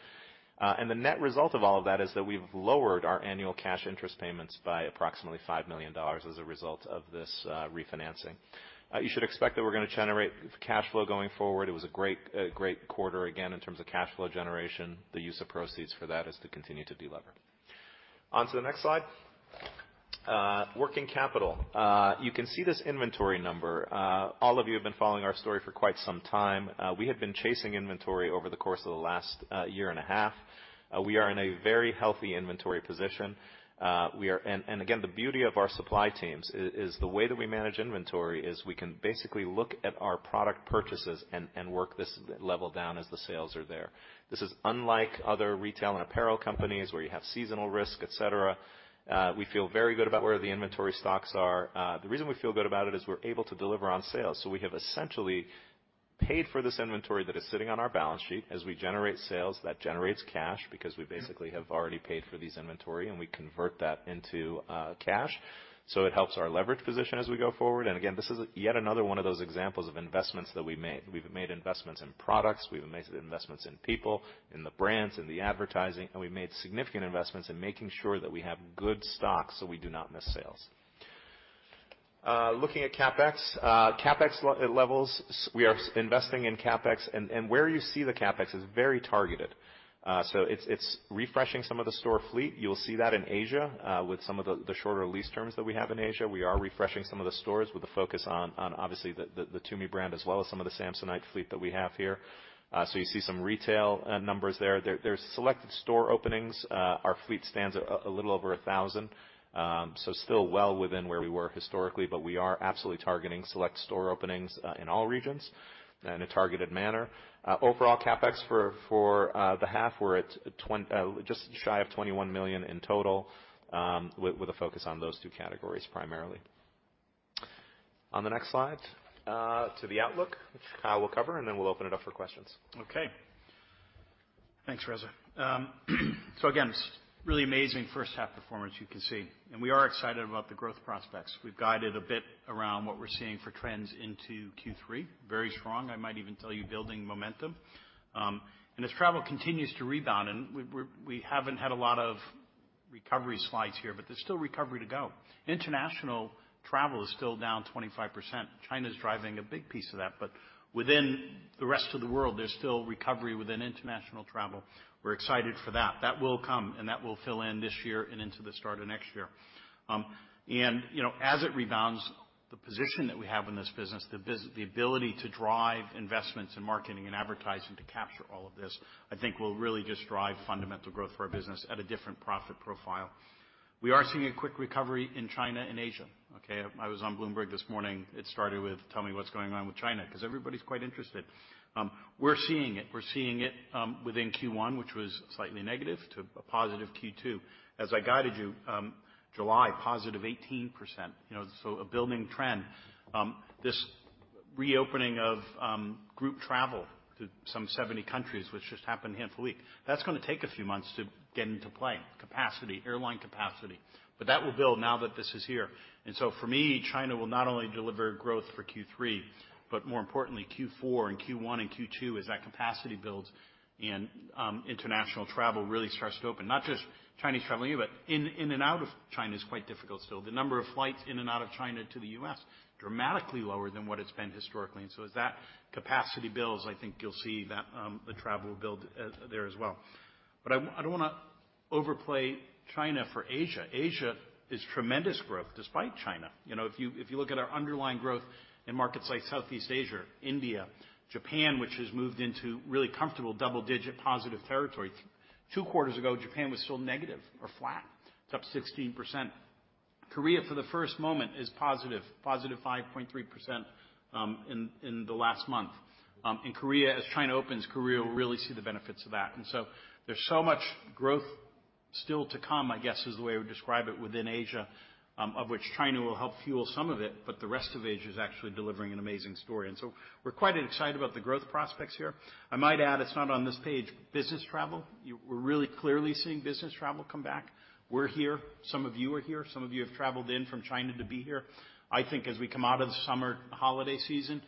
The net result of all of that is that we've lowered our annual cash interest payments by approximately $5 million as a result of this refinancing. You should expect that we're gonna generate cash flow going forward. It was a great, a great quarter, again, in terms of cash flow generation. The use of proceeds for that is to continue to delever. On to the next slide. Working capital. You can see this inventory number. All of you have been following our story for quite some time. We have been chasing inventory over the course of the last year and a half. We are in a very healthy inventory position. And again, the beauty of our supply teams is the way that we manage inventory, is we can basically look at our product purchases and, and work this level down as the sales are there. This is unlike other retail and apparel companies where you have seasonal risk, et cetera. We feel very good about where the inventory stocks are. The reason we feel good about it is we're able to deliver on sales. We have essentially paid for this inventory that is sitting on our balance sheet. As we generate sales, that generates cash because we basically have already paid for these inventory, and we convert that into cash. It helps our leverage position as we go forward. Again, this is yet another one of those examples of investments that we made. We've made investments in products, we've made investments in people, in the brands, in the advertising, and we've made significant investments in making sure that we have good stock, so we do not miss sales. Looking at CapEx. CapEx levels, we are investing in CapEx, and where you see the CapEx is very targeted. It's refreshing some of the store fleet. You'll see that in Asia, with some of the shorter lease terms that we have in Asia. We are refreshing some of the stores with a focus on, obviously, the Tumi brand, as well as some of the Samsonite fleet that we have here. You see some retail numbers there. There's selective store openings. Our fleet stands at a little over 1,000. Still well within where we were historically, but we are absolutely targeting select store openings in all regions in a targeted manner. Overall CapEx for the half, we're at just shy of $21 million in total, with a focus on those two categories primarily. On the next slide, to the outlook, we'll cover, then we'll open it up for questions. Okay. Thanks, Reza. Again, really amazing first half performance you can see, and we are excited about the growth prospects. We've guided a bit around what we're seeing for trends into Q3. Very strong. I might even tell you, building momentum. As travel continues to rebound, we, we, we haven't had a lot of recovery slides here, there's still recovery to go. International travel is still down 25%. China's driving a big piece of that, within the rest of the world, there's still recovery within international travel. We're excited for that. That will come, that will fill in this year and into the start of next year. You know, as it rebounds, the position that we have in this business, the ability to drive investments in marketing and advertising to capture all of this, I think will really just drive fundamental growth for our business at a different profit profile. We are seeing a quick recovery in China and Asia, okay? I was on Bloomberg this morning. It started with, "Tell me what's going on with China," 'cause everybody's quite interested. We're seeing it. We're seeing it within Q1, which was slightly negative, to a positive Q2. As I guided you, July, positive 18%, you know, so a building trend. This reopening of group travel to some 70 countries, which just happened half a week, that's gonna take a few months to get into play, capacity, airline capacity. That will build now that this is here. For me, China will not only deliver growth for Q3, but more importantly, Q4 and Q1 and Q2, as that capacity builds and international travel really starts to open. Not just Chinese travel, but in and out of China is quite difficult still. The number of flights in and out of China to the U.S., dramatically lower than what it's been historically. As that capacity builds, I think you'll see that the travel build there as well. I, I don't wanna overplay China for Asia. Asia is tremendous growth, despite China. You know, if you, if you look at our underlying growth in markets like Southeast Asia, India, Japan, which has moved into really comfortable double-digit positive territory. Two quarters ago, Japan was still negative or flat. It's up 16%. Korea, for the first moment, is positive, 5.3% in the last month. Korea, as China opens, Korea will really see the benefits of that. So there's so much growth still to come, I guess, is the way I would describe it, within Asia, of which China will help fuel some of it, but the rest of Asia is actually delivering an amazing story. So we're quite excited about the growth prospects here. I might add, it's not on this page, business travel. We're really clearly seeing business travel come back. We're here, some of you are here, some of you have traveled in from China to be here. I think as we come out of the summer holiday season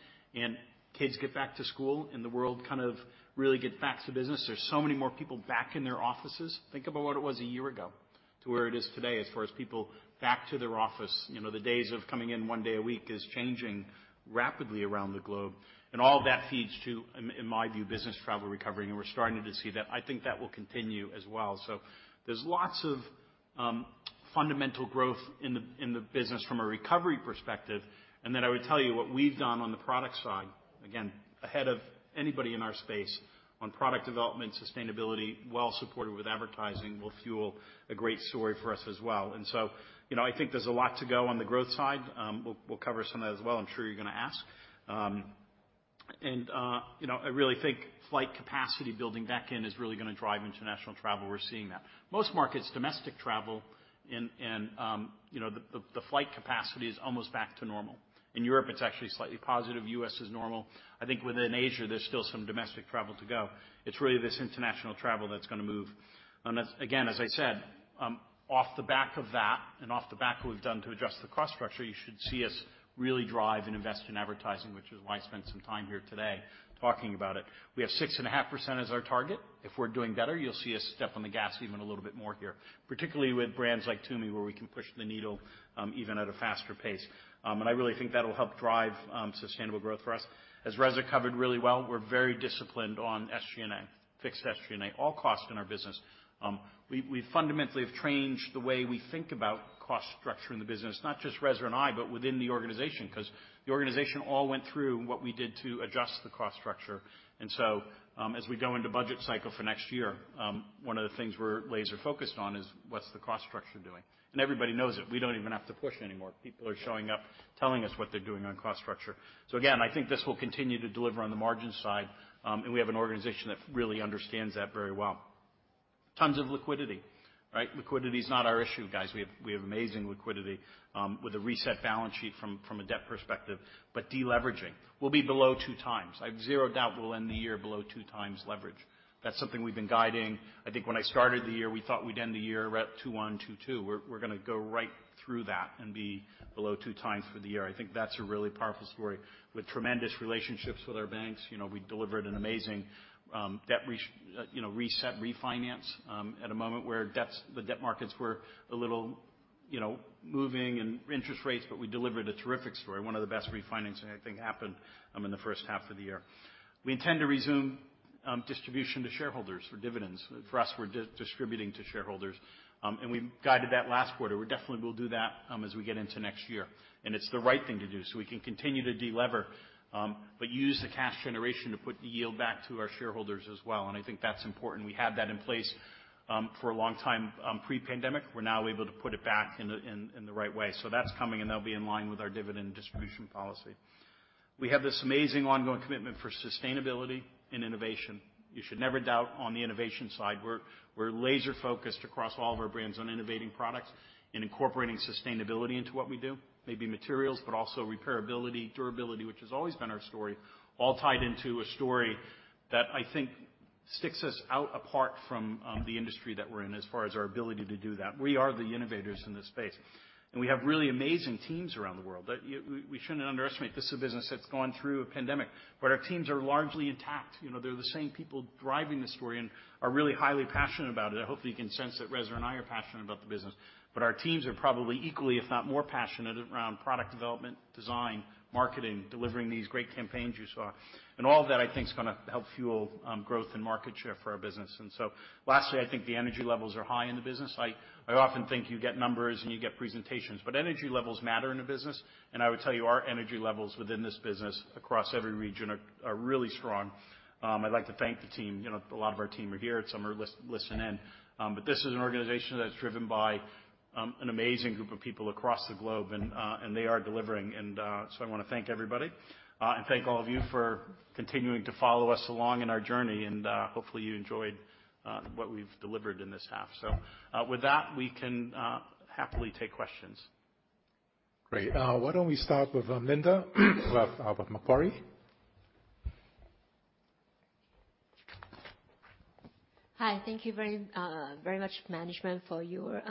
kids get back to school, the world kind of really gets back to business, there's so many more people back in their offices. Think about what it was one year ago to where it is today as far as people back to their office. You know, the days of coming in one day a week is changing rapidly around the globe, all of that feeds to, in, in my view, business travel recovering, we're starting to see that. I think that will continue as well. There's lots of fundamental growth in the, in the business from a recovery perspective. I would tell you, what we've done on the product side, again, ahead of anybody in our space on product development, sustainability, well supported with advertising, will fuel a great story for us as well. You know, I think there's a lot to go on the growth side. We'll, we'll cover some of that as well. I'm sure you're gonna ask. You know, I really think flight capacity building back in is really gonna drive international travel. We're seeing that. Most markets, domestic travel and, and, you know, the, the, the flight capacity is almost back to normal. In Europe, it's actually slightly positive. U.S. is normal. I think within Asia, there's still some domestic travel to go. It's really this international travel that's gonna move. As... Again, as I said, off the back of that and off the back of what we've done to adjust the cost structure, you should see us really drive and invest in advertising, which is why I spent some time here today talking about it. We have 6.5% as our target. If we're doing better, you'll see us step on the gas even a little bit more here, particularly with brands like Tumi, where we can push the needle even at a faster pace. And I really think that'll help drive sustainable growth for us. As Reza covered really well, we're very disciplined on SG&A, fixed SG&A, all costs in our business. We, we fundamentally have changed the way we think about cost structure in the business, not just Reza and I, but within the organization, 'cause the organization all went through what we did to adjust the cost structure. As we go into budget cycle for next year, one of the things we're laser focused on is: What's the cost structure doing? Everybody knows it. We don't even have to push anymore. People are showing up, telling us what they're doing on cost structure. Again, I think this will continue to deliver on the margin side, and we have an organization that really understands that very well. Tons of liquidity, right? Liquidity is not our issue, guys. We have, we have amazing liquidity, with a reset balance sheet from, from a debt perspective, but deleveraging. We'll be below 2x. I have zero doubt we'll end the year below two times leverage. That's something we've been guiding. I think when I started the year, we thought we'd end the year at 2.1, 2.2. We're gonna go right through that and be below two times for the year. I think that's a really powerful story with tremendous relationships with our banks. You know, we delivered an amazing, debt reset refinance, at a moment where debts, the debt markets were a little, you know, moving and interest rates, but we delivered a terrific story, one of the best refinancing I think happened, in the first half of the year. We intend to resume, distribution to shareholders for dividends. For us, we're distributing to shareholders, and we guided that last quarter. We definitely will do that, as we get into next year. It's the right thing to do, so we can continue to delever, but use the cash generation to put the yield back to our shareholders as well. I think that's important. We had that in place for a long time pre-pandemic. We're now able to put it back in the right way. That's coming. That'll be in line with our dividend distribution policy. We have this amazing ongoing commitment for sustainability and innovation. You should never doubt on the innovation side, we're laser focused across all of our brands on innovating products and incorporating sustainability into what we do. Maybe materials, also repairability, durability, which has always been our story, all tied into a story that I think-... sticks us out apart from the industry that we're in, as far as our ability to do that. We are the innovators in this space, and we have really amazing teams around the world. We shouldn't underestimate. This is a business that's gone through a pandemic. Our teams are largely intact. You know, they're the same people driving the story and are really highly passionate about it. I hope you can sense that Reza and I are passionate about the business, but our teams are probably equally, if not more passionate around product development, design, marketing, delivering these great campaigns you saw. All that I think is gonna help fuel growth and market share for our business. Lastly, I think the energy levels are high in the business. I, I often think you get numbers and you get presentations, but energy levels matter in a business, and I would tell you, our energy levels within this business, across every region are, are really strong. I'd like to thank the team. You know, a lot of our team are here, some are listening in. This is an organization that's driven by an amazing group of people across the globe, and they are delivering. I wanna thank everybody and thank all of you for continuing to follow us along in our journey, and hopefully, you enjoyed what we've delivered in this half. With that, we can happily take questions. Great. Why don't we start with, Linda, well, Macquarie? Hi, thank you very, very much, management, for your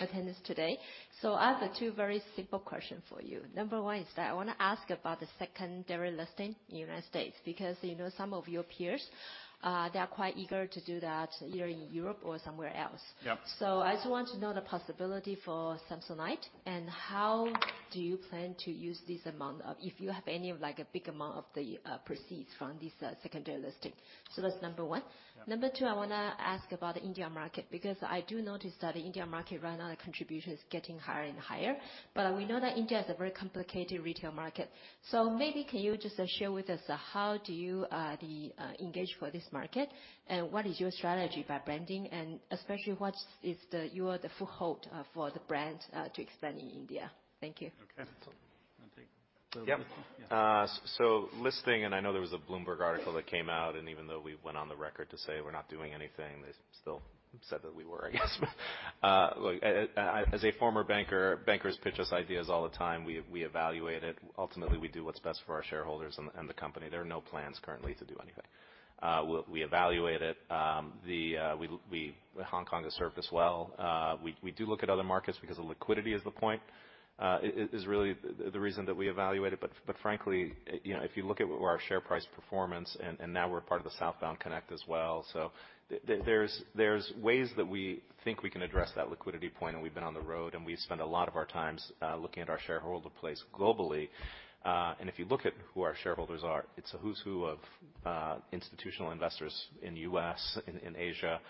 attendance today. I have two very simple question for you. Number one is that I wanna ask about the secondary listing in United States, because, you know, some of your peers, they are quite eager to do that, either in Europe or somewhere else. Yep. I just want to know the possibility for Samsonite, and how do you plan to use if you have any, like, a big amount of the proceeds from this secondary listing? That's number one. Yeah. Number two, I wanna ask about the India market, because I do notice that the India market right now, the contribution is getting higher and higher, but we know that India is a very complicated retail market. Maybe can you just share with us, how do you the engage for this market? What is your strategy by branding, and especially, what is the... You are the foothold for the brand to expand in India? Thank you. Okay. I'll take it. Yep. Listing, I know there was a Bloomberg article that came out, even though we went on the record to say we're not doing anything, they still said that we were, I guess. Look, as a former banker, bankers pitch us ideas all the time. We, we evaluate it. Ultimately, we do what's best for our shareholders and, and the company. There are no plans currently to do anything. We, we evaluate it. The Hong Kong has served us well. We, we do look at other markets because the liquidity is the point, it, it, is really the, the reason that we evaluate it. But frankly, you know, if you look at our share price performance, and, and now we're part of the Southbound Connect as well. There's, there's ways that we think we can address that liquidity point, and we've been on the road, and we spend a lot of our times looking at our shareholder place globally. And if you look at who our shareholders are, it's a who's who of institutional investors in U.S., in, in Asia,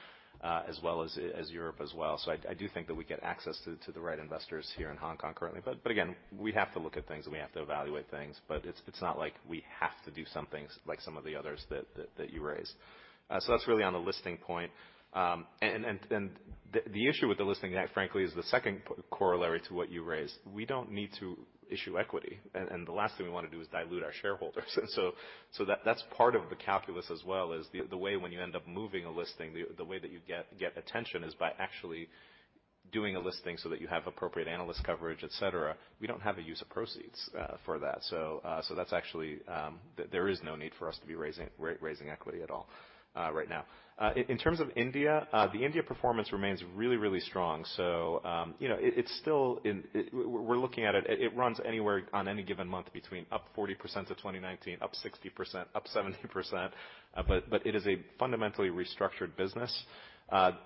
as well as, as Europe as well. I, I do think that we get access to, to the right investors here in Hong Kong currently, but, but again, we have to look at things, and we have to evaluate things, but it's, it's not like we have to do something like some of the others that, that, that you raised. That's really on the listing point. And, and, and the, the issue with the listing, frankly, is the second corollary to what you raised. We don't need to issue equity, and the last thing we wanna do is dilute our shareholders. That's part of the calculus as well, is the way when you end up moving a listing, the way that you get attention is by actually doing a listing so that you have appropriate analyst coverage, et cetera. We don't have a use of proceeds for that. That's actually, there is no need for us to be raising equity at all, right now. In terms of India, the India performance remains really, really strong. You know, it's still in... We're looking at it. It runs anywhere on any given month, between up 40% to 2019, up 60%, up 70%. It is a fundamentally restructured business.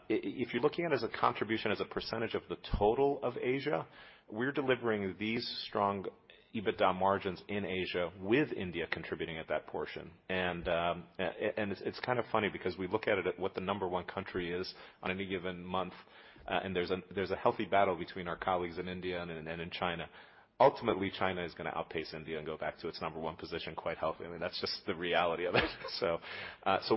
If you're looking at it as a contribution, as a percentage of the total of Asia, we're delivering these strong EBITDA margins in Asia with India contributing at that portion. It's, it's kind of funny because we look at it at what the number one country is on any given month, and there's a healthy battle between our colleagues in India and in, and in China. Ultimately, China is gonna outpace India and go back to its number one position quite healthy. I mean, that's just the reality of it.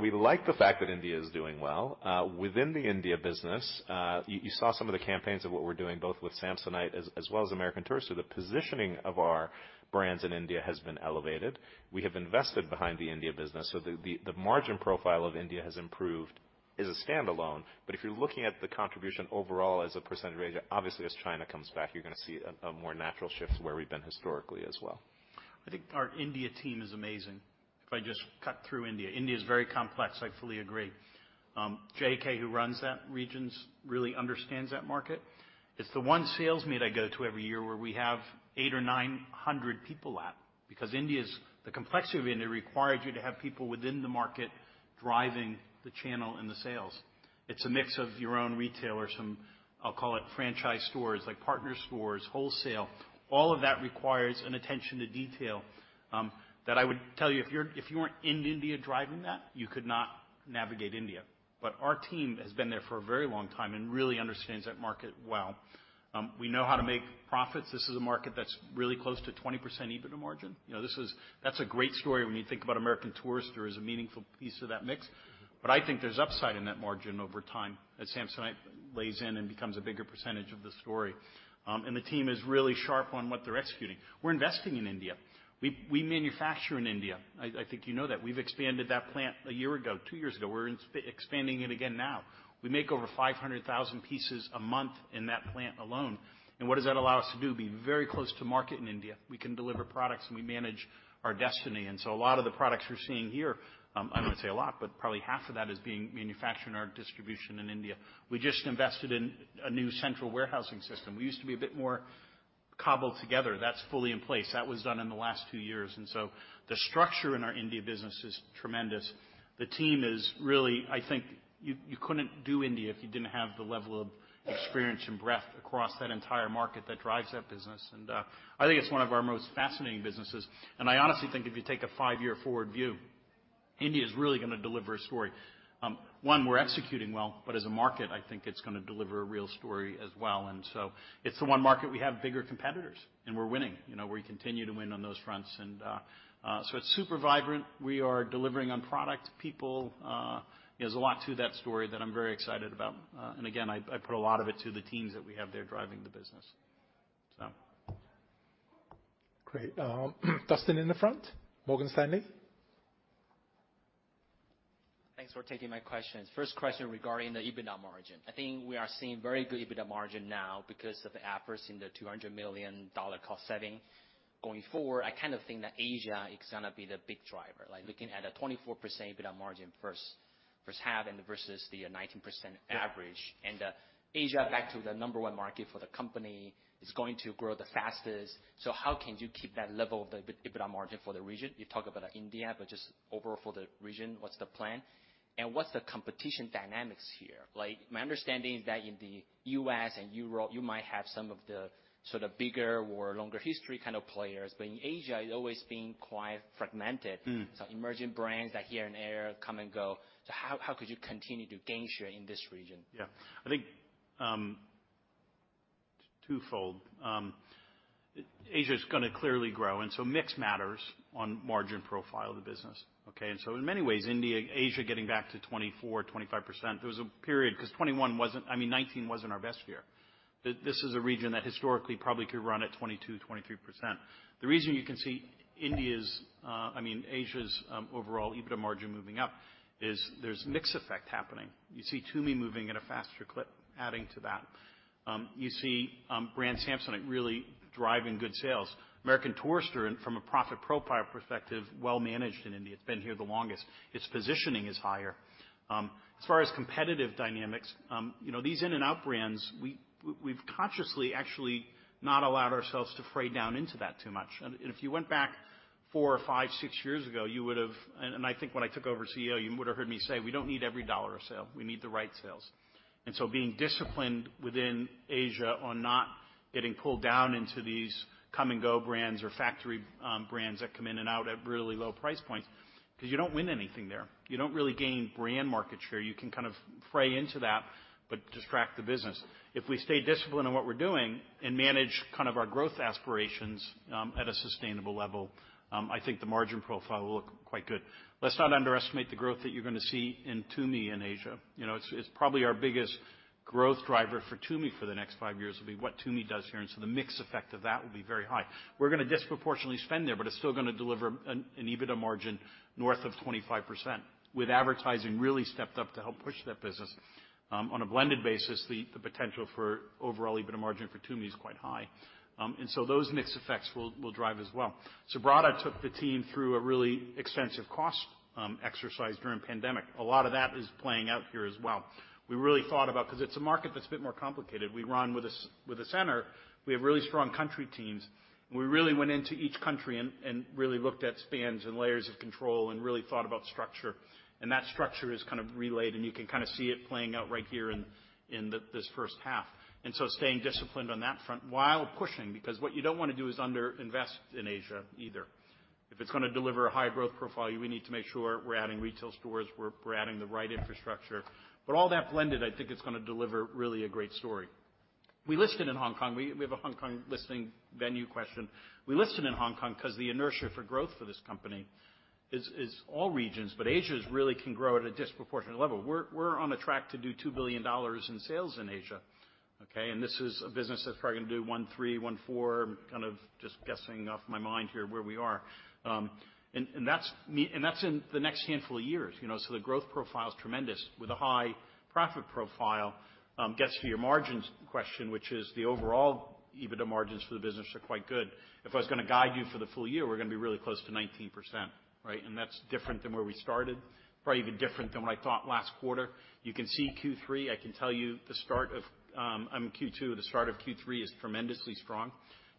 We like the fact that India is doing well. Within the India business, you saw some of the campaigns of what we're doing, both with Samsonite as, as well as American Tourister. The positioning of our brands in India has been elevated. We have invested behind the India business, so the margin profile of India has improved as a standalone. If you're looking at the contribution overall as a percentage, obviously, as China comes back, you're gonna see a more natural shift to where we've been historically as well. I think our India team is amazing. If I just cut through India, India is very complex, I fully agree. JK, who runs that regions, really understands that market. It's the one sales meet I go to every year where we have 800 or 900 people at, because India's the complexity of India requires you to have people within the market driving the channel and the sales. It's a mix of your own retailers, from, I'll call it, franchise stores, like partner stores, wholesale. All of that requires an attention to detail, that I would tell you, if you're, if you weren't in India driving that, you could not navigate India. Our team has been there for a very long time and really understands that market well. We know how to make profits. This is a market that's really close to 20% EBITDA margin. You know, that's a great story when you think about American Tourister as a meaningful piece of that mix. I think there's upside in that margin over time as Samsonite lays in and becomes a bigger percentage of the story. The team is really sharp on what they're executing. We're investing in India. We manufacture in India. I think you know that. We've expanded that plant a year ago, two years ago. We're expanding it again now. We make over 500,000 pieces a month in that plant alone. What does that allow us to do? Be very close to market in India. We can deliver products, and we manage our destiny. A lot of the products you're seeing here, I don't want to say a lot, but probably half of that is being manufactured in our distribution in India. We just invested in a new central warehousing system. We used to be a bit more cobbled together. That's fully in place. That was done in the last two years, and so the structure in our India business is tremendous. The team is really, I think you, you couldn't do India if you didn't have the level of experience and breadth across that entire market that drives that business. I think it's one of our most fascinating businesses. I honestly think if you take a five-year forward view, India is really gonna deliver a story. One, we're executing well, but as a market, I think it's gonna deliver a real story as well. It's the one market we have bigger competitors, and we're winning. You know, we continue to win on those fronts. It's super vibrant. We are delivering on product, people. There's a lot to that story that I'm very excited about. Again, I, I put a lot of it to the teams that we have there driving the business, so. Great. Dustin, in the front, Morgan Stanley. Thanks for taking my questions. First question regarding the EBITDA margin. I think we are seeing very good EBITDA margin now because of the efforts in the $200 million cost saving. Going forward, I kind of think that Asia is gonna be the big driver, like looking at a 24% EBITDA margin first, first half and versus the 19% average and, Asia, back to the number one market for the company, is going to grow the fastest. How can you keep that level of the EBITDA margin for the region? You talk about India, but just overall for the region, what's the plan? What's the competition dynamics here? Like, my understanding is that in the U.S. and Europe, you might have some of the sort of bigger or longer history kind of players, but in Asia, it's always been quite fragmented. Mm. Emerging brands that here and there come and go. How, how could you continue to gain share in this region? Yeah. I think, twofold. Asia's gonna clearly grow, so mix matters on margin profile of the business, okay? So in many ways, India, Asia, getting back to 24-25%, there was a period. Because 2021 wasn't, I mean, 2019 wasn't our best year. This is a region that historically probably could run at 22-23%. The reason you can see India's, I mean, Asia's, overall EBITDA margin moving up is there's mix effect happening. You see Tumi moving at a faster clip, adding to that. You see, brand Samsonite really driving good sales. American Tourister. From a profit profile perspective, well managed in India. It's been here the longest. Its positioning is higher. As far as competitive dynamics, you know, these in-and-out brands, we, we've consciously actually not allowed ourselves to fray down into that too much. If you went back four or five, six years ago, you would have. I think when I took over as CEO, you would have heard me say: We don't need every dollar of sale. We need the right sales. Being disciplined within Asia on not getting pulled down into these come-and-go brands or factory brands that come in and out at really low price points, because you don't win anything there. You don't really gain brand market share. You can kind of fray into that, but distract the business. If we stay disciplined on what we're doing and manage kind of our growth aspirations at a sustainable level, I think the margin profile will look quite good. Let's not underestimate the growth that you're gonna see in Tumi in Asia. You know, it's, it's probably our biggest growth driver for Tumi for the next five years, will be what Tumi does here, and so the mix effect of that will be very high. We're gonna disproportionately spend there, but it's still gonna deliver an EBITDA margin north of 25%, with advertising really stepped up to help push that business. On a blended basis, the potential for overall EBITDA margin for Tumi is quite high. Those mix effects will drive as well. Subrata took the team through a really extensive cost exercise during pandemic. A lot of that is playing out here as well. We really thought about, because it's a market that's a bit more complicated. We run with a center. We have really strong country teams. We really went into each country and really looked at spans and layers of control and really thought about structure. That structure is kind of relayed, and you can kind of see it playing out right here in this first half. Staying disciplined on that front while pushing, because what you don't want to do is underinvest in Asia either. If it's gonna deliver a high growth profile, we need to make sure we're adding retail stores, we're adding the right infrastructure. All that blended, I think it's gonna deliver really a great story. We listed in Hong Kong. We have a Hong Kong listing venue question. We listed in Hong Kong because the inertia for growth for this company is all regions, but Asia is really can grow at a disproportionate level. We're, we're on a track to do $2 billion in sales in Asia, okay? This is a business that's probably gonna do $1.3 billion-$1.4 billion, kind of just guessing off my mind here, where we are. And that's in the next handful of years, you know, so the growth profile is tremendous, with a high profit profile. Gets to your margins question, which is the overall EBITDA margins for the business are quite good. If I was gonna guide you for the full-year, we're gonna be really close to 19%, right? That's different than where we started, probably even different than what I thought last quarter. You can see Q3. I can tell you the start of Q2, the start of Q3 is tremendously strong.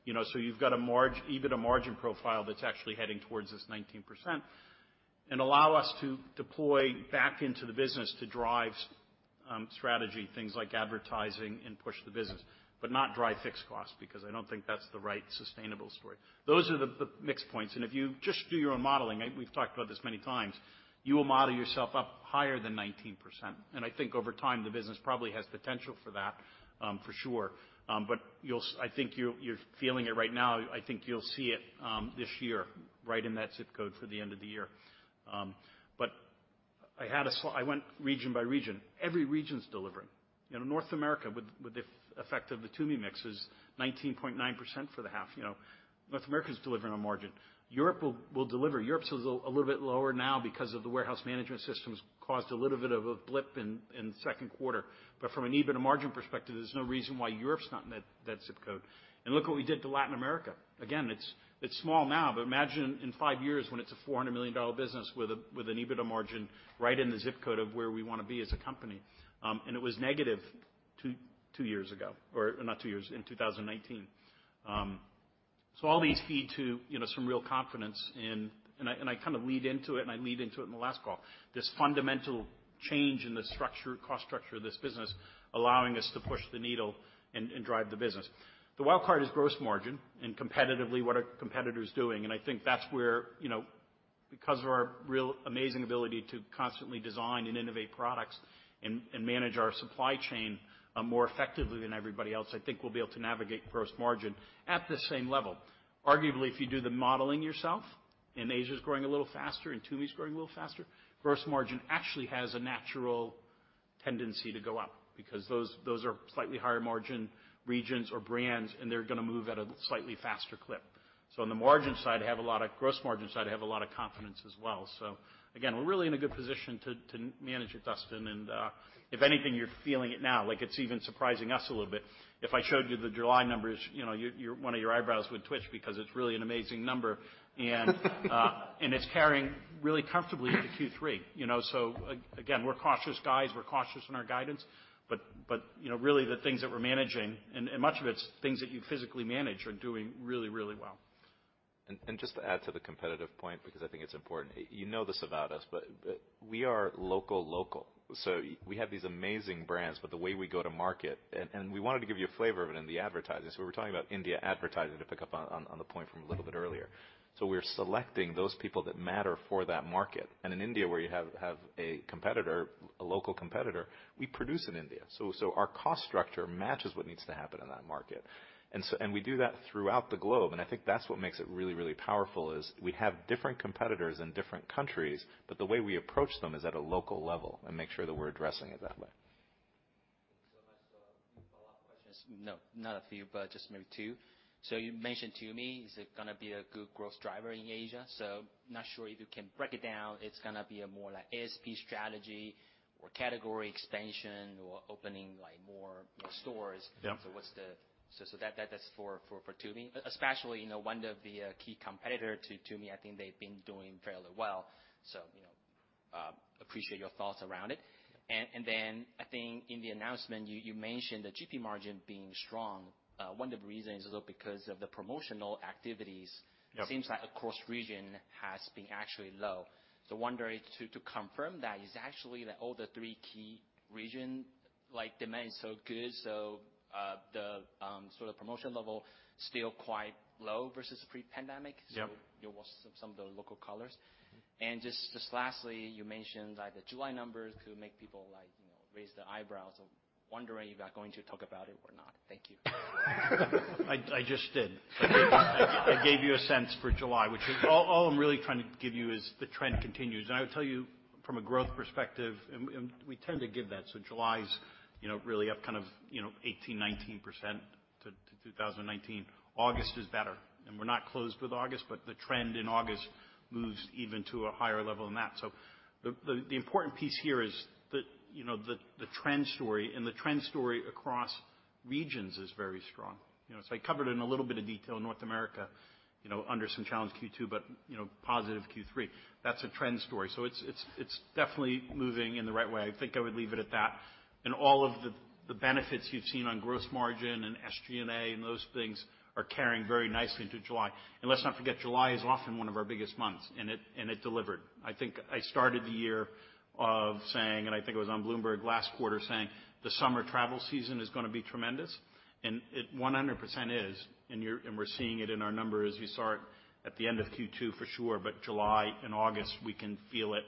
You know, you've got a EBITDA margin profile that's actually heading towards this 19%, and allow us to deploy back into the business to drive strategy, things like advertising and push the business, but not drive fixed costs, because I don't think that's the right sustainable story. Those are the, the mix points. If you just do your own modeling, we've talked about this many times, you will model yourself up higher than 19%. I think over time, the business probably has potential for that, for sure. You'll... I think you're, you're feeling it right now. I think you'll see it, this year, right in that zip code for the end of the year. I had a I went region by region. Every region's delivering. You know, North America, with, with the effect of the Tumi mix, is 19.9% for the half. You know, North America's delivering on margin. Europe will, will deliver. Europe's a little bit lower now because of the warehouse management systems, caused a little bit of a blip in, in the second quarter. From an EBITDA margin perspective, there's no reason why Europe's not in that, that zip code. Look what we did to Latin America. Again, it's, it's small now, but imagine in five years when it's a $400 million business with a, with an EBITDA margin right in the zip code of where we want to be as a company. It was negative, two years ago, or not two years, in 2019. All these feed to, you know, some real confidence in, and I, and I kind of lead into it, and I lead into it in the last call, this fundamental change in the structure, cost structure of this business, allowing us to push the needle and, and drive the business. The wild card is gross margin and competitively, what are competitors doing? I think that's where, you know, because of our real amazing ability to constantly design and innovate products and, and manage our supply chain, more effectively than everybody else, I think we'll be able to navigate gross margin at the same level. Arguably, if you do the modeling yourself, Asia's growing a little faster and Tumi's growing a little faster, gross margin actually has a natural tendency to go up because those, those are slightly higher margin regions or brands, and they're gonna move at a slightly faster clip. On the margin side, gross margin side, I have a lot of confidence as well. Again, we're really in a good position to manage it, Dustin, and if anything, you're feeling it now, like it's even surprising us a little bit. If I showed you the July numbers, you know, your one of your eyebrows would twitch because it's really an amazing number. It's carrying really comfortably into Q3, you know? Again, we're cautious guys, we're cautious in our guidance, but, you know, really, the things that we're managing, and, and much of it's things that you physically manage, are doing really, really well. Just to add to the competitive point, because I think it's important. You know this about us, we are local, local. We have these amazing brands, but the way we go to market... We wanted to give you a flavor of it in the advertising. We were talking about India advertising, to pick up on the point from a little bit earlier. We're selecting those people that matter for that market. In India, where you have a competitor, a local competitor, we produce in India. Our cost structure matches what needs to happen in that market. We do that throughout the globe, and I think that's what makes it really, really powerful, is we have different competitors in different countries, but the way we approach them is at a local level and make sure that we're addressing it that way. My follow-up question is. No, not a few, but just maybe two. You mentioned Tumi, is it gonna be a good growth driver in Asia? Not sure if you can break it down, it's gonna be a more like ASP strategy or category expansion or opening, like, more stores? Yeah. What's the. That is for Tumi. Especially, you know, one of the key competitor to Tumi, I think they've been doing fairly well. You know, appreciate your thoughts around it. Then I think in the announcement, you mentioned the GP margin being strong. One of the reasons is because of the promotional activities- Yeah it seems like across region has been actually low. Wondering to, to confirm that, is actually the all the three key region, like, demand so good, so, the sort of promotion level still quite low versus pre-pandemic? Yep. You will see some of the local colors. Just, just lastly, you mentioned that the July numbers could make people like, you know, raise their eyebrows. I'm wondering, you are going to talk about it or not? Thank you. I, I just did. I gave you a sense for July, which is... All, all I'm really trying to give you is the trend continues. I would tell you from a growth perspective, and, and we tend to give that. July's, you know, really up kind of, you know, 18%, 19% to, to 2019. August is better, and we're not closed with August, but the trend in August moves even to a higher level than that. The, the, the important piece here is that, you know, the, the trend story, and the trend story across regions is very strong. You know, I covered it in a little bit of detail. North America, you know, under some challenged Q2, but, you know, positive Q3. That's a trend story. It's, it's, it's definitely moving in the right way. I think I would leave it at that. All of the, the benefits you've seen on gross margin and SG&A and those things are carrying very nicely into July. Let's not forget, July is often one of our biggest months, and it, and it delivered. I think I started the year of saying, and I think it was on Bloomberg last quarter, saying the summer travel season is gonna be tremendous, and it 100% is, and we're seeing it in our numbers. You saw it at the end of Q2 for sure, July and August, we can feel it,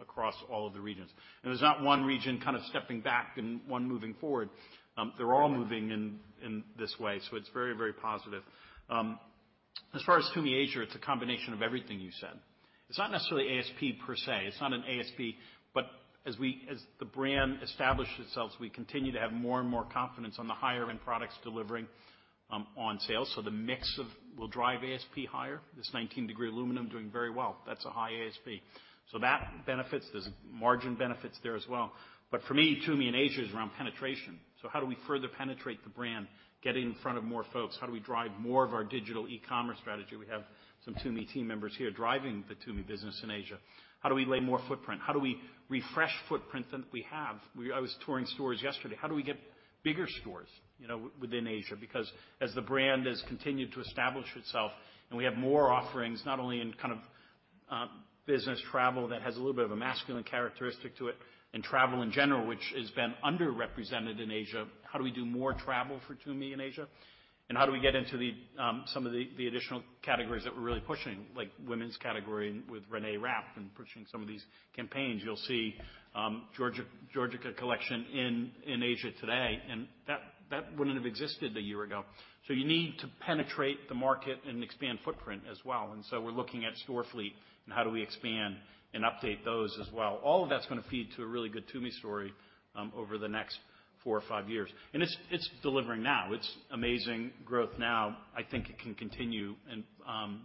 across all of the regions. There's not one region kind of stepping back and one moving forward. They're all moving in, in this way, it's very, very positive. As far as Tumi Asia, it's a combination of everything you said. It's not necessarily ASP per se. It's not an ASP, but as the brand establishes itself, we continue to have more and more confidence on the higher end products delivering on sales. The mix of will drive ASP higher. This 19 Degree aluminum doing very well, that's a high ASP. That benefits, there's margin benefits there as well. For me, Tumi in Asia is around penetration. How do we further penetrate the brand, get in front of more folks? How do we drive more of our digital e-commerce strategy? We have some Tumi team members here driving the Tumi business in Asia. How do we lay more footprint? How do we refresh footprint than we have? I was touring stores yesterday. How do we get bigger stores, you know, within Asia? Because as the brand has continued to establish itself and we have more offerings, not only in kind of business travel, that has a little bit of a masculine characteristic to it, and travel in general, which has been underrepresented in Asia, how do we do more travel for Tumi in Asia? How do we get into the some of the additional categories that we're really pushing, like women's category with Reneé Rapp and pushing some of these campaigns? You'll see Georgia, Georgica collection in Asia today, and that, that wouldn't have existed a year ago. You need to penetrate the market and expand footprint as well, and so we're looking at store fleet and how do we expand and update those as well. All of that's gonna feed to a really good Tumi story over the next four or five years. It's, it's delivering now. It's amazing growth now. I think it can continue on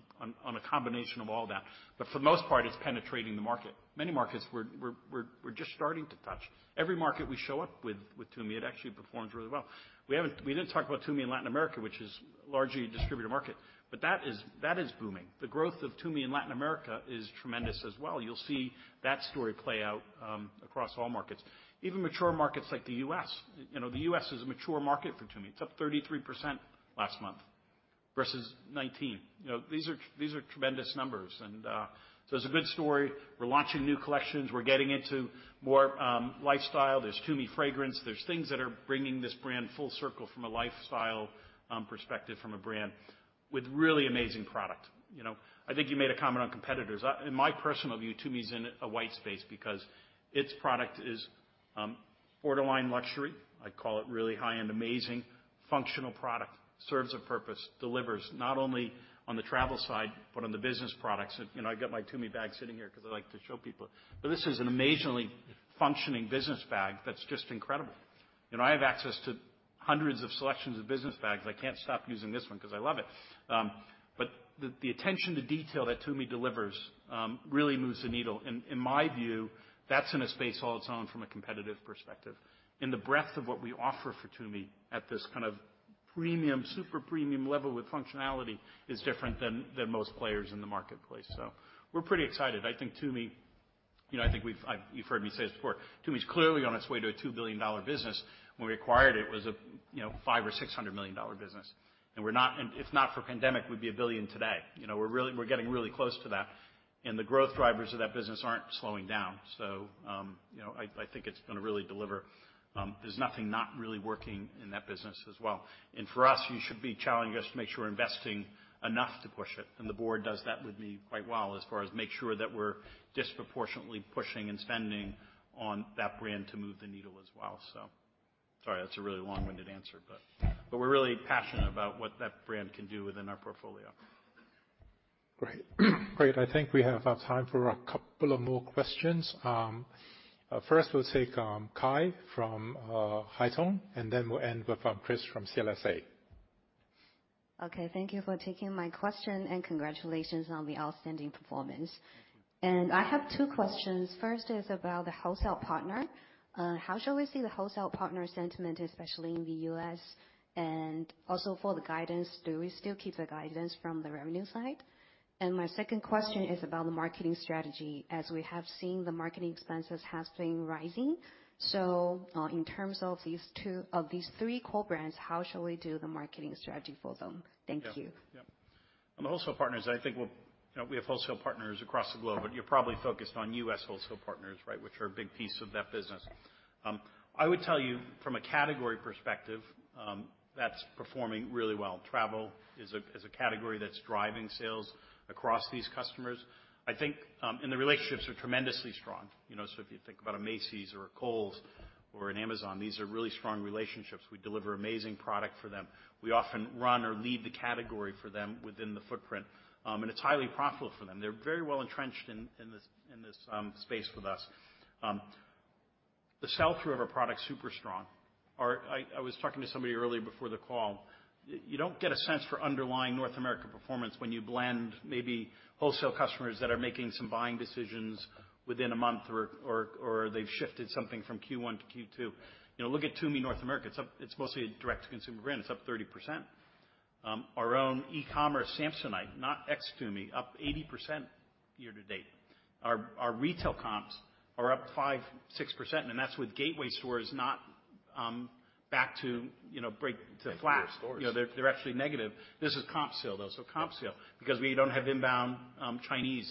a combination of all that, but for the most part, it's penetrating the market. Many markets we're just starting to touch. Every market we show up with Tumi, it actually performs really well. We didn't talk about Tumi in Latin America, which is largely a distributor market, but that is booming. The growth of Tumi in Latin America is tremendous as well. You'll see that story play out across all markets, even mature markets like the U.S.. You know, the U.S. is a mature market for Tumi. It's up 33% last month versus 19. You know, these are, these are tremendous numbers, and so it's a good story. We're launching new collections. We're getting into more lifestyle. There's Tumi fragrance. There's things that are bringing this brand full circle from a lifestyle perspective, from a brand with really amazing product, you know? I think you made a comment on competitors. In my personal view, Tumi's in a white space because its product is borderline luxury. I'd call it really high-end, amazing, functional product. Serves a purpose, delivers not only on the travel side, but on the business products. You know, I've got my Tumi bag sitting here 'cause I like to show people. This is an amazingly functioning business bag that's just incredible. You know, I have access to hundreds of selections of business bags. I can't stop using this one 'cause I love it. The, the attention to detail that Tumi delivers, really moves the needle. In, in my view, that's in a space all its own from a competitive perspective. The breadth of what we offer for Tumi at this kind of premium, super premium level with functionality is different than, than most players in the marketplace. We're pretty excited. I think Tumi, you know, I think you've heard me say this before, Tumi's clearly on its way to a $2 billion business. When we acquired it, it was a, you know, $500 million or $600 million business, and we're not, if not for pandemic, we'd be $1 billion today. You know, we're really, we're getting really close to that, and the growth drivers of that business aren't slowing down. You know, I, I think it's gonna really deliver. There's nothing not really working in that business as well. For us, you should be challenging us to make sure we're investing enough to push it, and the board does that with me quite well, as far as make sure that we're disproportionately pushing and spending on that brand to move the needle as well. Sorry, that's a really long-winded answer, but we're really passionate about what that brand can do within our portfolio. Great. Great. I think we have time for a couple of more questions. First, we'll take Kai from Haitong, and then we'll end with Chris from CLSA. Okay, thank you for taking my question, congratulations on the outstanding performance. I have two questions. First is about the wholesale partner. How should we see the wholesale partner sentiment, especially in the U.S., and also for the guidance, do we still keep the guidance from the revenue side? My second question is about the marketing strategy. As we have seen, the marketing expenses has been rising. In terms of these three core brands, how shall we do the marketing strategy for them? Thank you. Yeah. Yeah. On the wholesale partners, I think, we're, you know, we have wholesale partners across the globe, but you're probably focused on U.S. wholesale partners, right? Which are a big piece of that business. I would tell you from a category perspective, that's performing really well. Travel is a, is a category that's driving sales across these customers. I think, and the relationships are tremendously strong. You know, so if you think about a Macy's or a Kohl's or an Amazon, these are really strong relationships. We deliver amazing product for them. We often run or lead the category for them within the footprint, and it's highly profitable for them. They're very well entrenched in, in this, in this, space with us. The sell-through of our product's super strong. Our... I, I was talking to somebody earlier before the call. You don't get a sense for underlying North America performance when you blend maybe wholesale customers that are making some buying decisions within a month or, or, or they've shifted something from Q1 to Q2. You know, look at Tumi North America. It's up, it's mostly a direct-to-consumer brand. It's up 30%. Our own e-commerce, Samsonite, not ex Tumi, up 80% year-to-date. Our, our retail comps are up 5%-6%, and that's with gateway stores, not, back to, you know, break to flat. Gateway stores. You know, they're actually negative. This is comp sale, though, so comp sale because we don't have inbound, Chinese.